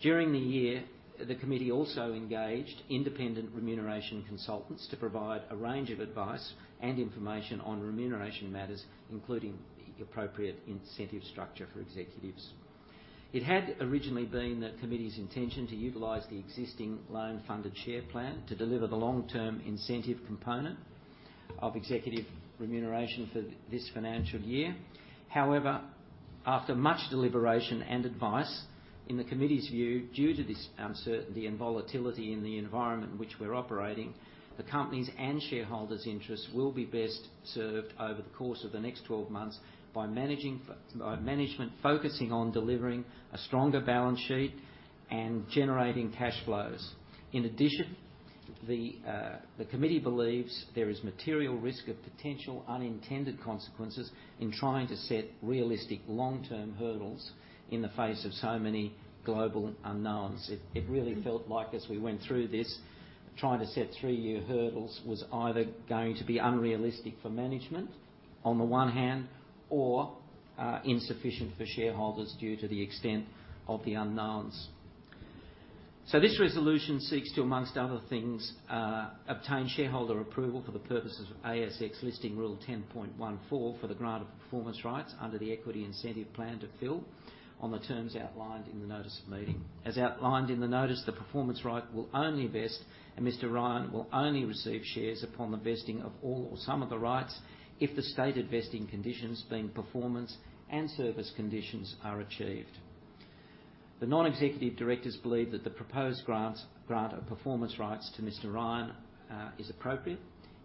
During the year, the committee also engaged independent remuneration consultants to provide a range of advice and information on remuneration matters, including the appropriate incentive structure for executives. It had originally been the committee's intention to utilize the existing loan funded share plan to deliver the long-term incentive component of executive remuneration for this financial year. After much deliberation and advice, in the committee's view, due to this uncertainty and volatility in the environment in which we're operating, the company's and shareholders' interests will be best served over the course of the next 12 months by management focusing on delivering a stronger balance sheet and generating cash flows. The committee believes there is material risk of potential unintended consequences in trying to set realistic long-term hurdles in the face of so many global unknowns. It really felt like as we went through this, trying to set three-year hurdles was either going to be unrealistic for management on the one hand or insufficient for shareholders due to the extent of the unknowns. This resolution seeks to, among other things, obtain shareholder approval for the purposes of ASX Listing Rule 10.14 for the grant of performance rights under the Equity Incentive Plan to Phil on the terms outlined in the notice of meeting. As outlined in the notice, the performance right will only vest and Mr. Ryan will only receive shares upon the vesting of all or some of the rights if the stated vesting conditions, being performance and service conditions, are achieved. The non-executive directors believe that the proposed grant of performance rights to Mr. Ryan is appropriate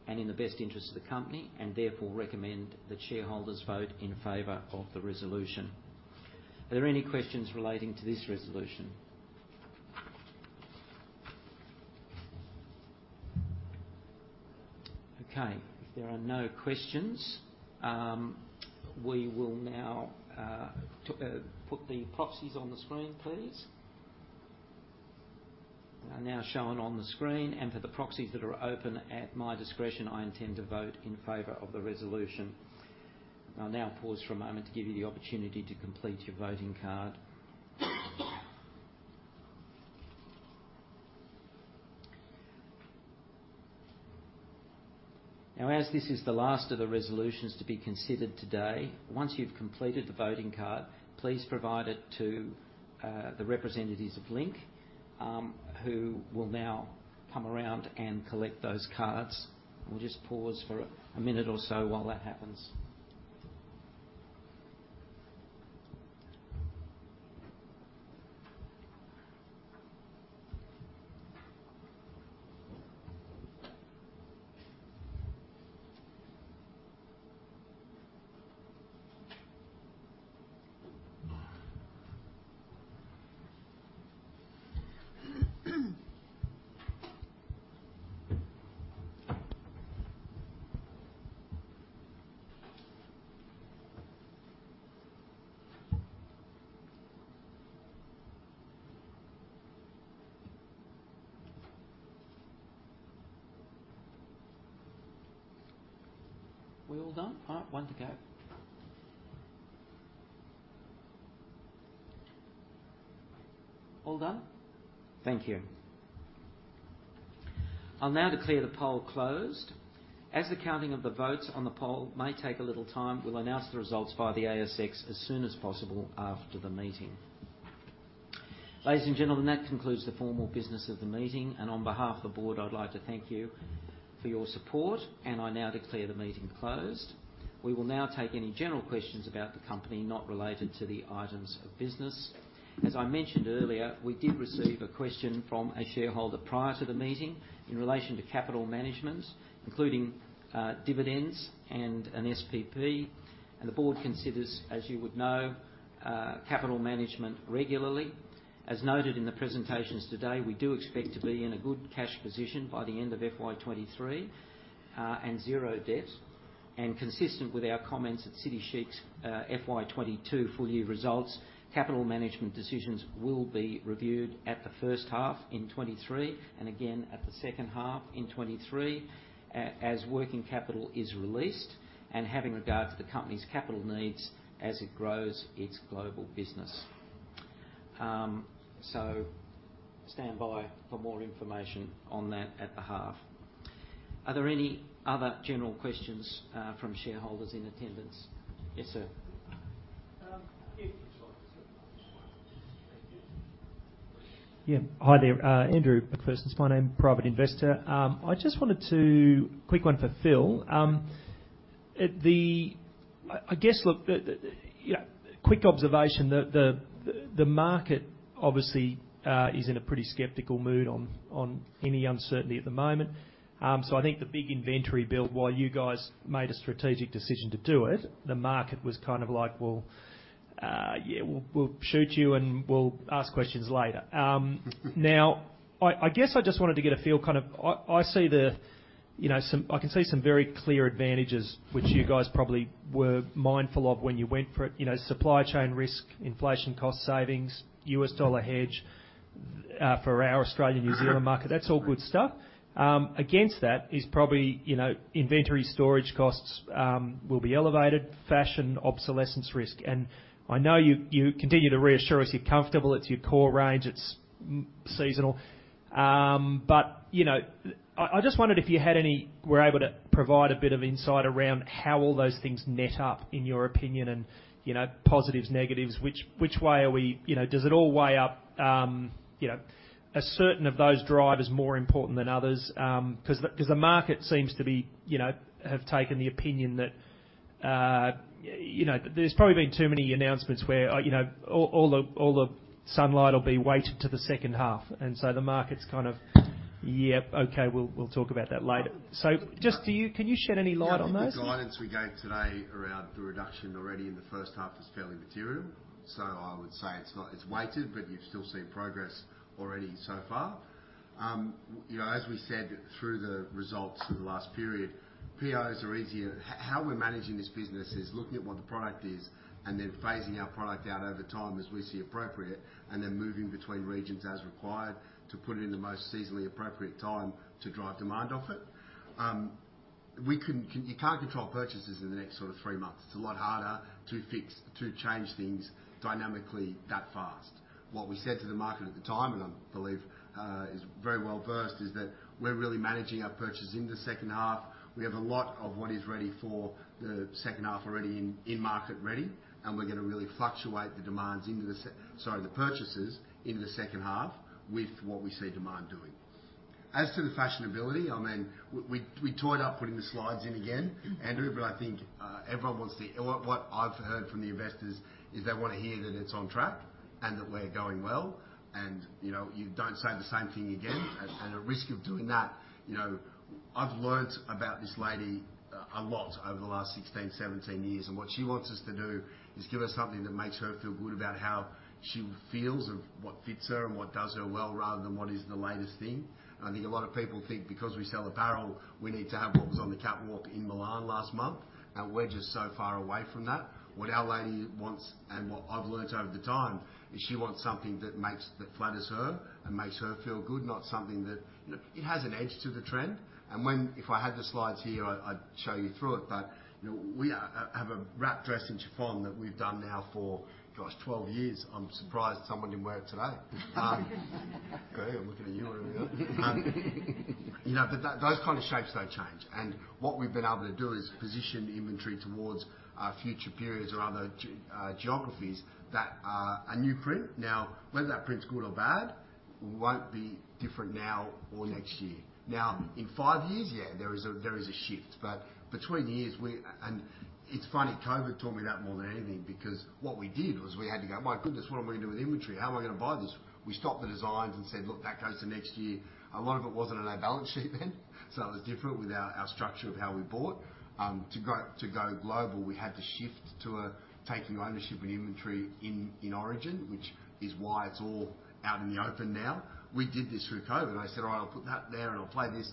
and in the best interest of the company. Therefore recommend that shareholders vote in favor of the resolution. Are there any questions relating to this resolution? Okay. If there are no questions, we will now put the proxies on the screen, please. They are now shown on the screen. For the proxies that are open at my discretion, I intend to vote in favor of the resolution. I'll now pause for a moment to give you the opportunity to complete your voting card. As this is the last of the resolutions to be considered today, once you've completed the voting card, please provide it to the representatives of Link, who will now come around and collect those cards. We'll just pause for a minute or so while that happens. We all done? All right, one to go. All done? Thank you. I'll now declare the poll closed. As the counting of the votes on the poll may take a little time, we'll announce the results via the ASX as soon as possible after the meeting. Ladies and gentlemen, that concludes the formal business of the meeting. On behalf of the Board, I'd like to thank you for your support. I now declare the meeting closed. We will now take any general questions about the company, not related to the items of business. As I mentioned earlier, we did receive a question from a shareholder prior to the meeting in relation to capital management, including dividends and an SPP. The Board considers, as you would know, capital management regularly. As noted in the presentations today, we do expect to be in a good cash position by the end of FY 2023 and zero debt. Consistent with our comments in City Chic's FY 2022 full year results, capital management decisions will be reviewed at the first half in 2023 and again at the second half in 2023, as working capital is released and having regard to the company's capital needs as it grows its global business. Stand by for more information on that at the half. Are there any other general questions from shareholders in attendance? Yes, sir. Yes. Thank you. Yeah. Hi there. Andrew McPherson's my name, private investor. Quick one for Phil. I guess, look, the, you know, quick observation. The, the market obviously, is in a pretty skeptical mood on any uncertainty at the moment. I think the big inventory build, while you guys made a strategic decision to do it, the market was kind of like, "Well, yeah, we'll shoot you and we'll ask questions later." I guess I just wanted to get a feel kind of I can see some very clear advantages which you guys probably were mindful of when you went for it. You know, supply chain risk, inflation cost savings, US dollar hedge, for our Australian and New Zealand market. That's all good stuff. Against that is probably, you know, inventory storage costs will be elevated, fashion obsolescence risk. I know you continue to reassure us you're comfortable, it's your core range, it's seasonal. You know, I just wondered if you were able to provide a bit of insight around how all those things net up in your opinion and, you know, positives, negatives. Which way are we, you know-- does it all weigh up, you know, are certain of those drivers more important than others? Cause the market seems to be, you know, have taken the opinion that, you know, there's probably been too many announcements where, you know, all the, all the sunlight will be weighted to the second half. The market's kind of, "Yep, okay, we'll talk about that later." Just can you shed any light on those? I think the guidance we gave today around the reduction already in the first half is fairly material. I would say it's weighted, but you've still seen progress already so far. You know, as we said through the results for the last period, POs are easier. How we're managing this business is looking at what the product is and then phasing our product out over time as we see appropriate, and then moving between regions as required to put it in the most seasonally appropriate time to drive demand of it. You can't control purchases in the next sort of three months. It's a lot harder to change things dynamically that fast. What we said to the market at the time, and I believe, is very well versed, is that we're really managing our purchases in the second half. We have a lot of what is ready for the second half already in market ready, and we're gonna really fluctuate the demands into sorry, the purchases into the second half with what we see demand doing. As to the fashionability, I mean, we toyed up putting the slides in again, Andrew, but I think everyone wants or what I've heard from the investors, is they wanna hear that it's on track and that we're going well and, you know, you don't say the same thing again. At risk of doing that, you know, I've learned about this lady a lot over the last 16-17 years, and what she wants us to do is give her something that makes her feel good about how she feels and what fits her and what does her well, rather than what is the latest thing. I think a lot of people think because we sell apparel, we need to have what was on the catwalk in Milan last month, and we're just so far away from that. What our lady wants, and what I've learned over the time, is she wants something that flatters her and makes her feel good, not something that. You know, it has an edge to the trend. If I had the slides here, I'd show you through it, but, you know, we have a wrap dress in chiffon that we've done now for, gosh, 12 years. I'm surprised someone didn't wear it today. Kerry, I'm looking at you. What about you? You know, but that, those kind of shapes don't change. What we've been able to do is position inventory towards our future periods or other geographies that are a new print. Now, whether that print's good or bad won't be different now or next year. Now in five years, yeah, there is a, there is a shift, but between years we... It's funny, COVID taught me that more than anything, because what we did was we had to go, "My goodness, what am I gonna do with inventory? How am I gonna buy this?" We stopped the designs and said, "Look, that goes to next year." A lot of it wasn't on our balance sheet then, so it was different with our structure of how we bought. To go global, we had to shift to taking ownership and inventory in origin, which is why it's all out in the open now. We did this with COVID. I said, "All right, I'll put that there and I'll play this."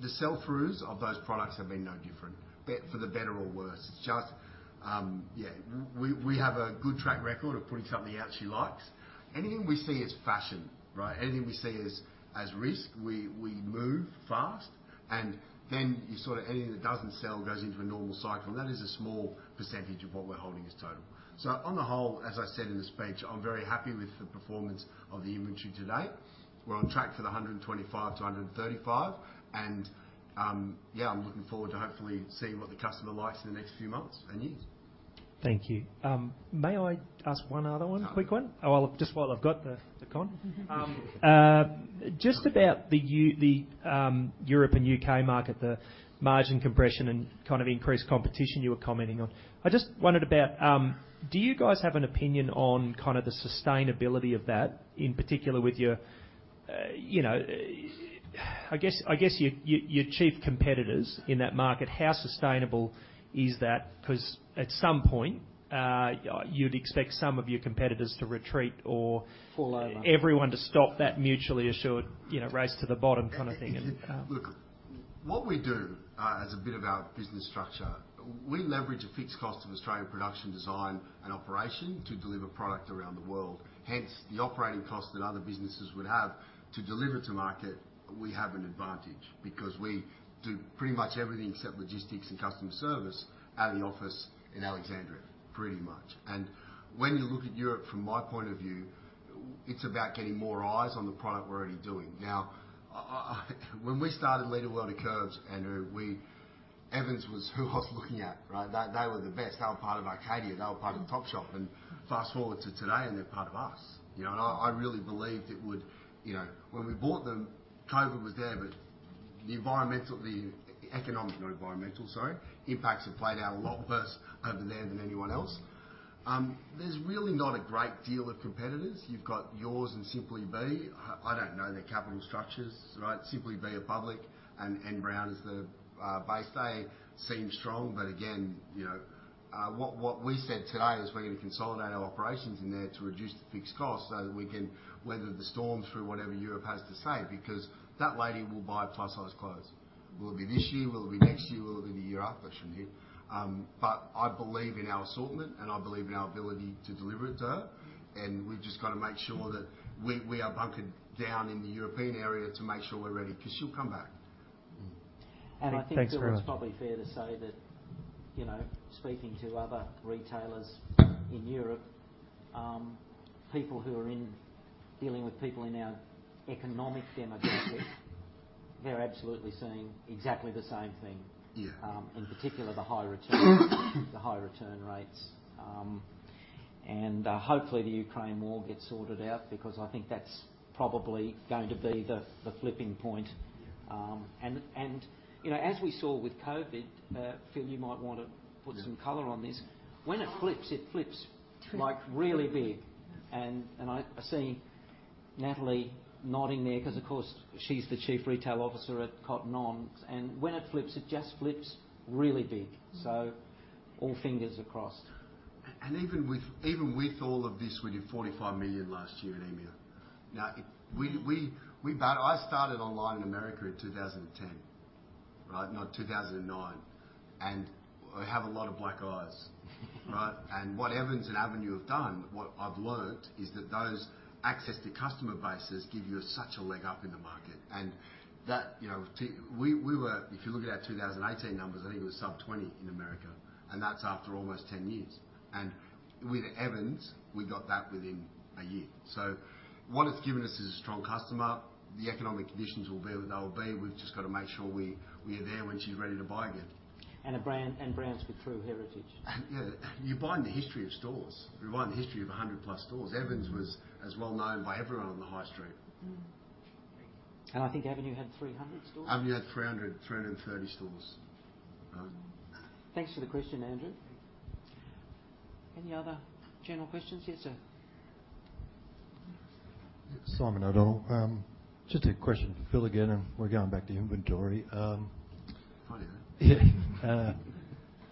The sell-throughs of those products have been no different, for the better or worse. It's just, we have a good track record of putting something out she likes. Anything we see as fashion, right? Anything we see as risk, we move fast and then you sort of anything that doesn't sell goes into a normal cycle. That is a small percentage of what we're holding as total. On the whole, as I said in the speech, I'm very happy with the performance of the inventory to date. We're on track for the 125 million-135 million, and, yeah, I'm looking forward to hopefully seeing what the customer likes in the next few months and years. Thank you. May I ask one other one? Sure. A quick one. Just while I've got the con. Just about the Europe and U.K. market, the margin compression and kind of increased competition you were commenting on. I just wondered about, do you guys have an opinion on kind of the sustainability of that, in particular with your, you know... I guess your chief competitors in that market, how sustainable is that? 'Cause at some point, you'd expect some of your competitors to retreat or... Fall over. Everyone to stop that mutually assured, you know, race to the bottom kind of thing. Look, what we do, as a bit of our business structure, we leverage a fixed cost of Australian production design and operation to deliver product around the world. Hence, the operating costs that other businesses would have to deliver to market, we have an advantage because we do pretty much everything except logistics and customer service out of the office in Alexandria, pretty much. When you look at Europe from my point of view, it's about getting more eyes on the product we're already doing. Now, When we started "Lead a World of Curves", Andrew, Evans was who I was looking at, right? They, they were the best. They were part of Arcadia, they were part of Topshop, and fast-forward to today, and they're part of us. You know, and I really believed it would... You know, when we bought them, COVID was there. The environmental, the economic, not environmental, sorry, impacts have played out a lot worse over there than anyone else. There's really not a great deal of competitors. You've got Yours Clothing and Simply Be. I don't know their capital structures, right? Simply Be are public and N Brown's balance sheet seems strong. Again, you know, what we said today is we're gonna consolidate our operations in there to reduce the fixed costs so that we can weather the storm through whatever Europe has to say, because that lady will buy plus-sized clothes. Will it be this year? Will it be next year? Will it be the year after? I shouldn't hear. I believe in our assortment, and I believe in our ability to deliver it to her. We've just gotta make sure that we are bunkered down in the European area to make sure we're ready, 'cause she'll come back. Mm-hmm. Thanks, Phil. I think it's probably fair to say that, you know, speaking to other retailers in Europe, people who are dealing with people in our economic demographic, they're absolutely seeing exactly the same thing. Yeah. In particular, the high return rates. Hopefully the war in Ukraine gets sorted out because I think that's probably going to be the flipping point. You know, as we saw with COVID, Phil, you might want to put color on this. When it flips, it flips. Trips. like, really big. I see Natalie nodding there because of course, she's the chief retail officer at Cotton On. When it flips, it just flips really big. All fingers are crossed. Even with all of this, we did 45 million last year in EMEA. I started online in America in 2010, right? 2009. I have a lot of black eyes. Right? What Evans and Avenue have done, what I've learned, is that those access to customer bases give you such a leg up in the market. That, you know, if you look at our 2018 numbers, I think it was under 20 million in America, and that's after almost 10 years. With Evans, we got that within a year. What it's given us is a strong customer. The economic conditions will be what they'll be. We've just gotta make sure we are there when she's ready to buy again. Brands with true heritage. Yeah. You're buying the history of stores. We're buying the history of 100+ stores. Evans was as well known by everyone on the high street. I think Avenue had 300 stores? Avenue had 330 stores. Right. Thanks for the question, Andrew. Any other general questions? Yes, sir. Simon O'Donnell. Just a question for Phil again, and we're going back to inventory. Oh, yeah. Yeah.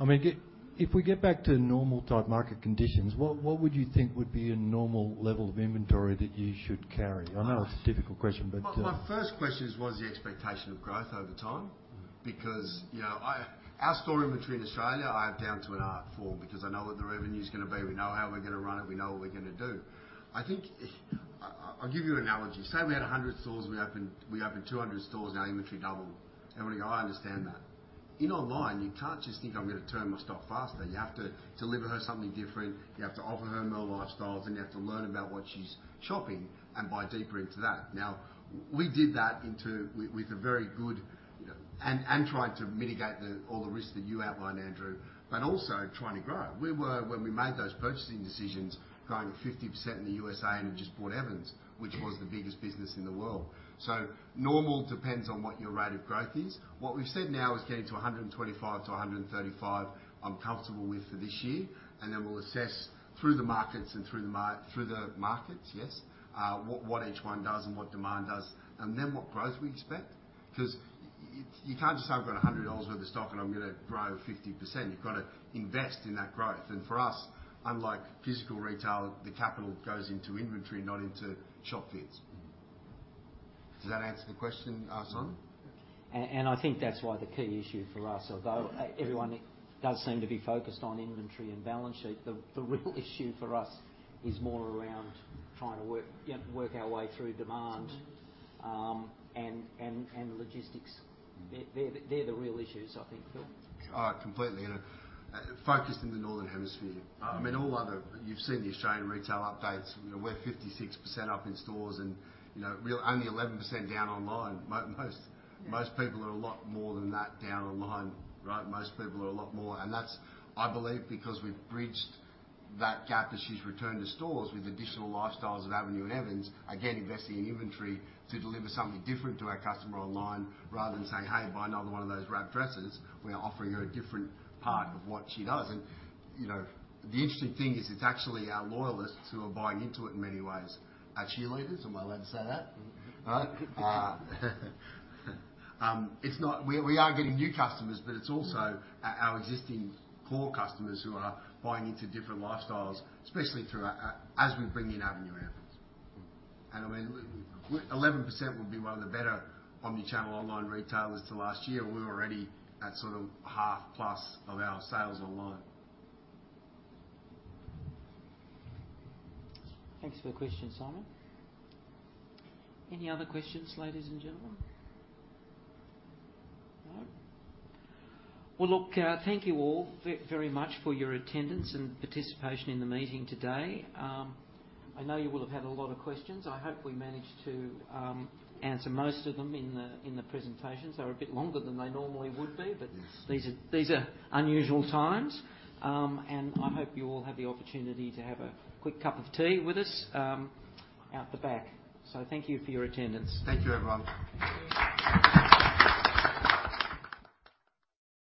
I mean, If we get back to normal type market conditions, what would you think would be a normal level of inventory that you should carry? I know it's a difficult question, but, My first question was the expectation of growth over time. Because, you know, our store inventory in Australia, I have down to an art form because I know what the revenue's gonna be. We know how we're gonna run it. We know what we're gonna do. I'll give you analogy. Say we had 100 stores, and we opened 200 stores, and our inventory doubled. Everybody goes, "I understand that." In online, you can't just think, "I'm gonna turn my stock faster." You have to deliver her something different. You have to offer her more lifestyles, and you have to learn about what she's shopping and buy deeper into that. Now, we did that with a very good, you know. Trying to mitigate the, all the risks that you outlined, Andrew, but also trying to grow. We were, when we made those purchasing decisions, growing 50% in the USA, and we just bought Evans, which was the biggest business in the world. Normal depends on what your rate of growth is. What we've said now is getting to 125 million-135 million, I'm comfortable with for this year. Then we'll assess through the markets and through the markets, yes, what each one does and what demand does, and then what growth we expect. 'Cause you can't just say, "I've got 100 million dollars worth of stock, and I'm gonna grow 50%." You've gotta invest in that growth. For us, unlike physical retail, the capital goes into inventory, not into shop fits. Does that answer the question, Simon? I think that's why the key issue for us, although everyone does seem to be focused on inventory and balance sheet, the real issue for us is more around trying to work, yeah, work our way through demand, and logistics. They're the real issues I think, Phil. Completely. Focused in the Northern Hemisphere. Oh, okay. I mean. You've seen the Australian retail updates. You know, we're 56% up in stores and, you know, we're only 11% down online. Yeah. Most people are a lot more than that down online, right? Most people are a lot more. That's, I believe, because we've bridged that gap as she's returned to stores with additional lifestyles of Avenue and Evans, again, investing in inventory to deliver something different to our customer online, rather than saying, "Hey, buy another one of those wrap dresses." We are offering her a different part of what she does. You know, the interesting thing is it's actually our loyalists who are buying into it in many ways. Our cheerleaders, am I allowed to say that? All right. We are getting new customers, but it's also our existing core customers who are buying into different lifestyles, especially as we bring in Avenue and Evans. I mean, 11% would be one of the better omni-channel online retailers to last year. We're already at sort of 50%+ of our sales online. Thanks for the question, Simon. Any other questions, ladies and gentlemen? No? Well, look, thank you all very much for your attendance and participation in the meeting today. I know you will have had a lot of questions. I hope we managed to answer most of them in the presentations. They were a bit longer than they normally would be. Yes. These are unusual times. I hope you all have the opportunity to have a quick cup of tea with us out the back. Thank you for your attendance. Thank you, everyone. Thank you.